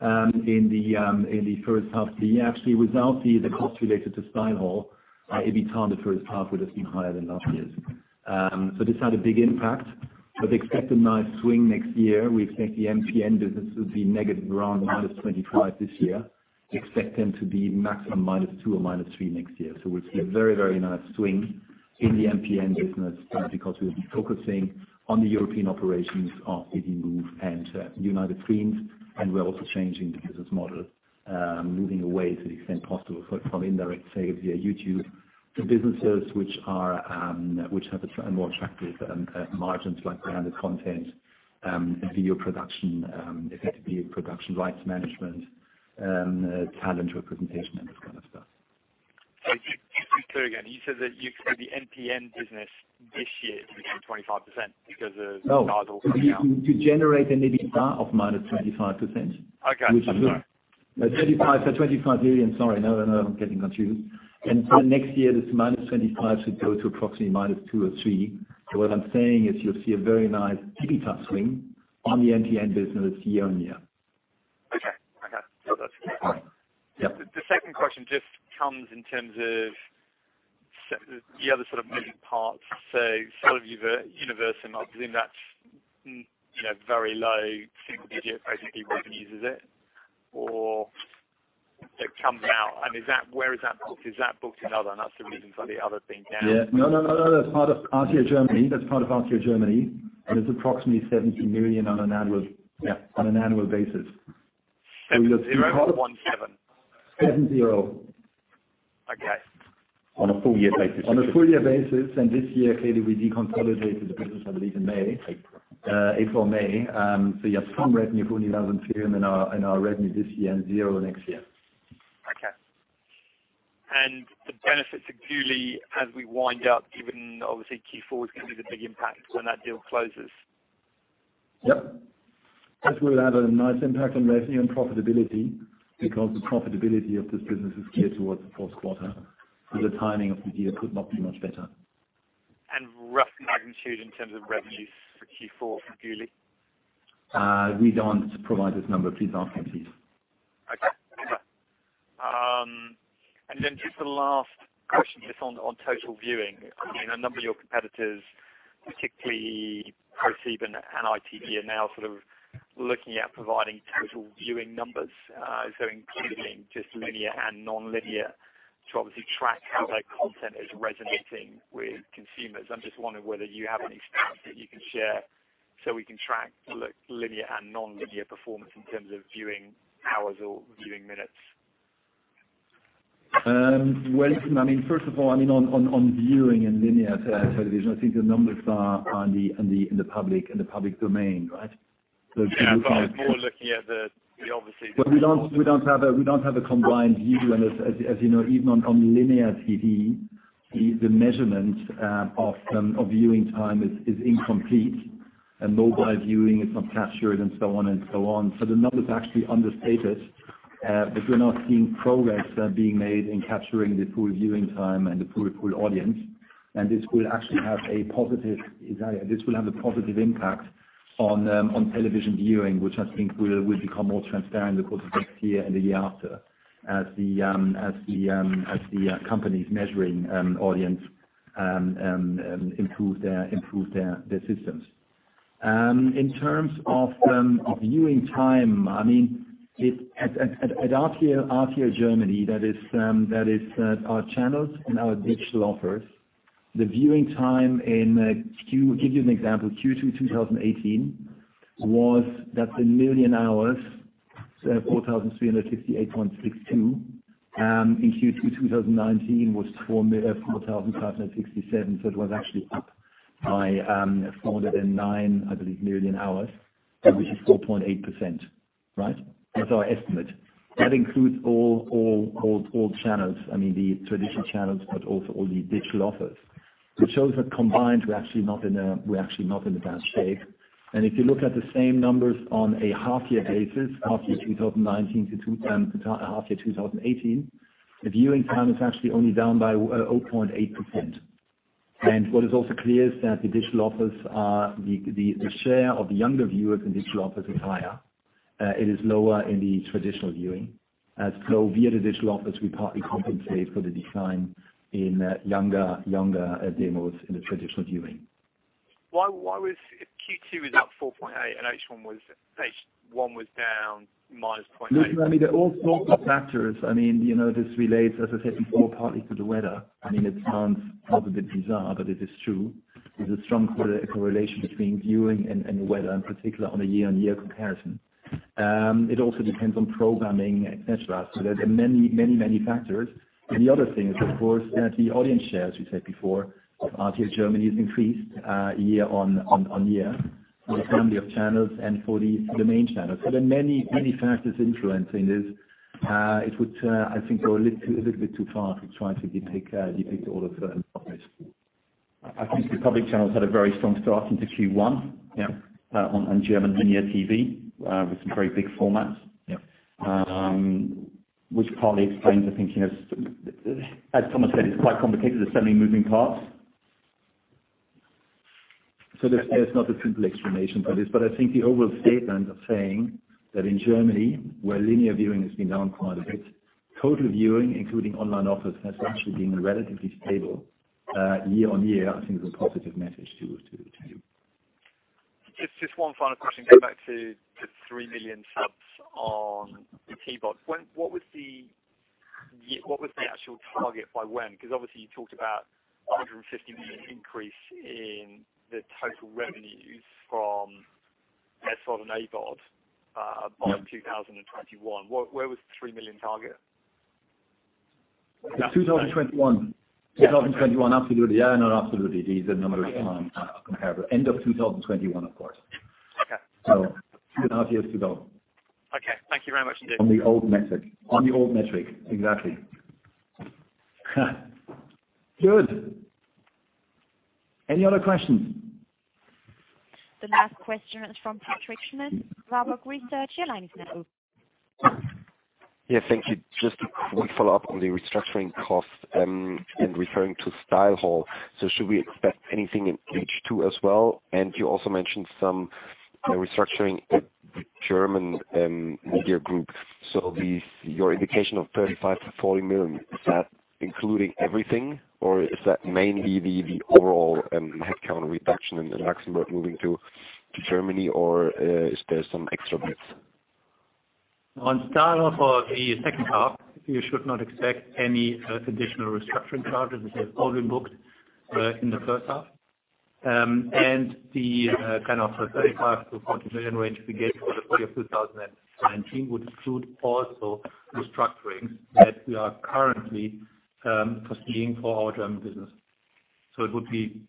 in the first half of the year. Actually, without the costs related to StyleHaul, EBITDA in the first half would have been higher than last year's. This had a big impact. Expect a nice swing next year. We expect the MPN business to be negative around -25 this year. We expect them to be maximum -2 or -3 next year. We'll see a very nice swing in the MPN business, because we'll be focusing on the European operations of Divimove and United Screens, and we're also changing the business model, moving away to the extent possible from indirect sales via YouTube to businesses which have more attractive margins like branded content, video production, effective video production, rights management, talent representation, and this kind of stuff. Just to be clear again, you said that you expect the MCN business this year to be 25% because of StyleHaul coming out. No. To generate an EBITDA of minus 25%. Okay. I'm sorry. 25 million. Sorry. No, I'm getting confused. Next year, this minus 25 should go to approximately minus EUR two or EUR three. What I'm saying is you'll see a very nice EBITDA swing on the MCN business year-on-year. Okay. That's clear. Yeah. The second question just comes in terms of the other sort of moving parts. Some of Universum, I presume that's very low, single digit, basically whoever uses it, or it comes out. Where is that booked? Is that booked in other? That's the reason for the other thing down. Yeah. No, that's part of RTL Deutschland, and it's approximately 70 million on an annual basis. Seven zero or one seven? Seven zero. Okay. On a full year basis. This year, clearly we deconsolidated the business, I believe in May. April. April or May. You have strong revenue of 40,000 and our revenue this year and 0 next year. Okay. The benefits of Duely as we wind up, given obviously Q4 is going to be the big impact when that deal closes. Yep. This will have a nice impact on revenue and profitability because the profitability of this business is geared towards the fourth quarter. The timing of the deal could not be much better. Rough magnitude in terms of revenues for Q4 for Divimove? We don't provide this number. Please ask me, please. Okay, fair. Just the last question, just on total viewing. A number of your competitors, particularly ProSieben and ITV, are now sort of looking at providing total viewing numbers. Including just linear and non-linear to obviously track how their content is resonating with consumers. I'm just wondering whether you have any stats that you can share so we can track linear and non-linear performance in terms of viewing hours or viewing minutes. First of all, on viewing and linear television, I think the numbers are in the public domain, right? If you like. Yeah, I was more looking at the. Well, we don't have a combined view. As you know, even on linear TV, the measurement of viewing time is incomplete, and mobile viewing is not captured and so on. The numbers are actually understated, but we are now seeing progress being made in capturing the full viewing time and the full audience. This will actually have a positive impact on television viewing, which I think will become more transparent in the course of next year and the year after, as the companies measuring audience improve their systems. In terms of viewing time, at RTL Deutschland, that is our channels and our digital offers, the viewing time in, give you an example, Q2 2018 was that a million hours, so 4,368.62. In Q2 2019 was 4,567. It was actually up by 409, I believe, million hours, which is 4.8%. Right? That's our estimate. That includes all channels, the traditional channels, also all the digital offers. It shows that combined, we're actually not in a bad shape. If you look at the same numbers on a half-year basis, half-year 2019 to half-year 2018, the viewing time is actually only down by 0.8%. What is also clear is that the share of younger viewers in digital offers is higher. It is lower in the traditional viewing. Via the digital offers, we partly compensate for the decline in younger demos in the traditional viewing. Why was Q2 up 4.8% and H1 was down -0.8%? Look, I mean, there are all sorts of factors. This relates, as I said before, partly to the weather. It sounds a bit bizarre, but it is true. There's a strong correlation between viewing and the weather, in particular on a year-on-year comparison. It also depends on programming, et cetera. There are many factors. The other thing is, of course, the audience share, as we said before, of RTL Deutschland has increased year-on-year for the family of channels and for the main channels. There are many factors influencing this. It would, I think, go a little bit too far to try to depict all of them, Thomas. I think the public channels had a very strong start into Q1. Yeah. On German linear TV, with some very big formats. Yeah. Thomas said, it's quite complicated. There are so many moving parts. There's not a simple explanation for this. I think the overall statement of saying that in Germany, where linear viewing has been down quite a bit, total viewing, including online offers, has actually been relatively stable year-on-year. I think it's a positive message to you. Just one final question, going back to 3 million subs on VOD. What was the actual target by when? Obviously you talked about 150 million increase in the total revenues from SVOD and AVOD by 2021. Where was the 3 million target? In 2021? Yeah. 2021, absolutely. Yeah, no, absolutely. These are numbers comparable. End of 2021, of course. Okay. Two and a half years to go. Okay. Thank you very much, dude. On the old metric. On the old metric, exactly. Good. Any other questions? The last question is from Patrick Schmidt, Warburg Research. Your line is now open. Yeah, thank you. Just one follow-up on the restructuring costs, and referring to StyleHaul. Should we expect anything in H2 as well? You also mentioned some restructuring at the German media group. Your indication of 35 million-40 million, is that including everything, or is that mainly the overall headcount reduction and Luxembourg moving to Germany, or is there some extra bits? On StyleHaul, for the second half, you should not expect any additional restructuring charges, as they have all been booked in the first half. The kind of 35 million-40 million range we gave for the full year 2019 would include also restructurings that we are currently pursuing for our German business. It would be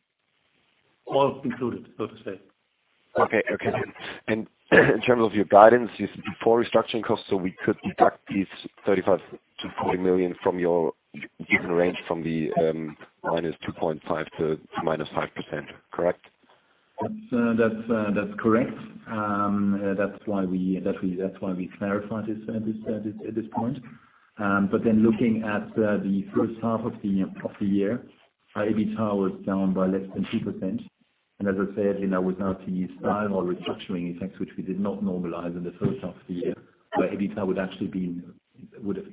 all included, so to say. Okay. In terms of your guidance, this is before restructuring costs, we could deduct these 35 million-40 million from your given range from the -2.5% to -5%, correct? That's correct. That's why we clarified this at this point. Looking at the first half of the year, our EBITA was down by less than 2%. As I said, with now the StyleHaul restructuring effects, which we did not normalize in the first half of the year, our EBITA would have actually been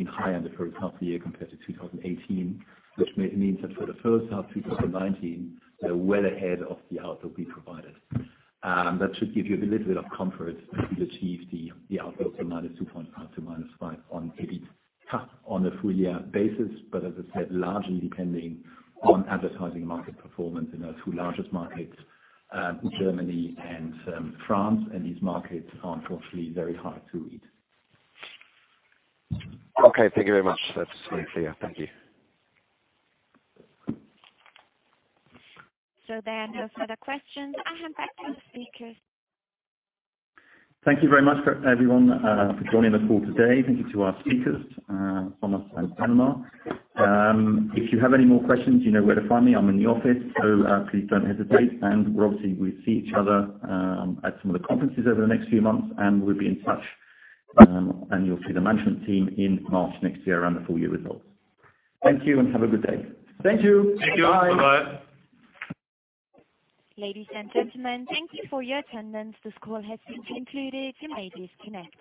higher in the first half of the year compared to 2018, which means that for the first half 2019, we're well ahead of the outlook we provided. That should give you a little bit of comfort that we achieve the outlook for -2.5% to -5% on EBITA on a full year basis. As I said, largely depending on advertising market performance in our two largest markets, Germany and France, and these markets are unfortunately very hard to read. Okay. Thank you very much. That's absolutely clear. Thank you. There are no further questions. I hand back to the speakers. Thank you very much, everyone, for joining the call today. Thank you to our speakers, Thomas and Thomas. Obviously, we see each other at some of the conferences over the next few months, and we'll be in touch. You'll see the management team in March next year around the full year results. Thank you and have a good day. Thank you. Thank you. Bye-bye. Ladies and gentlemen, thank you for your attendance. This call has been concluded. You may disconnect.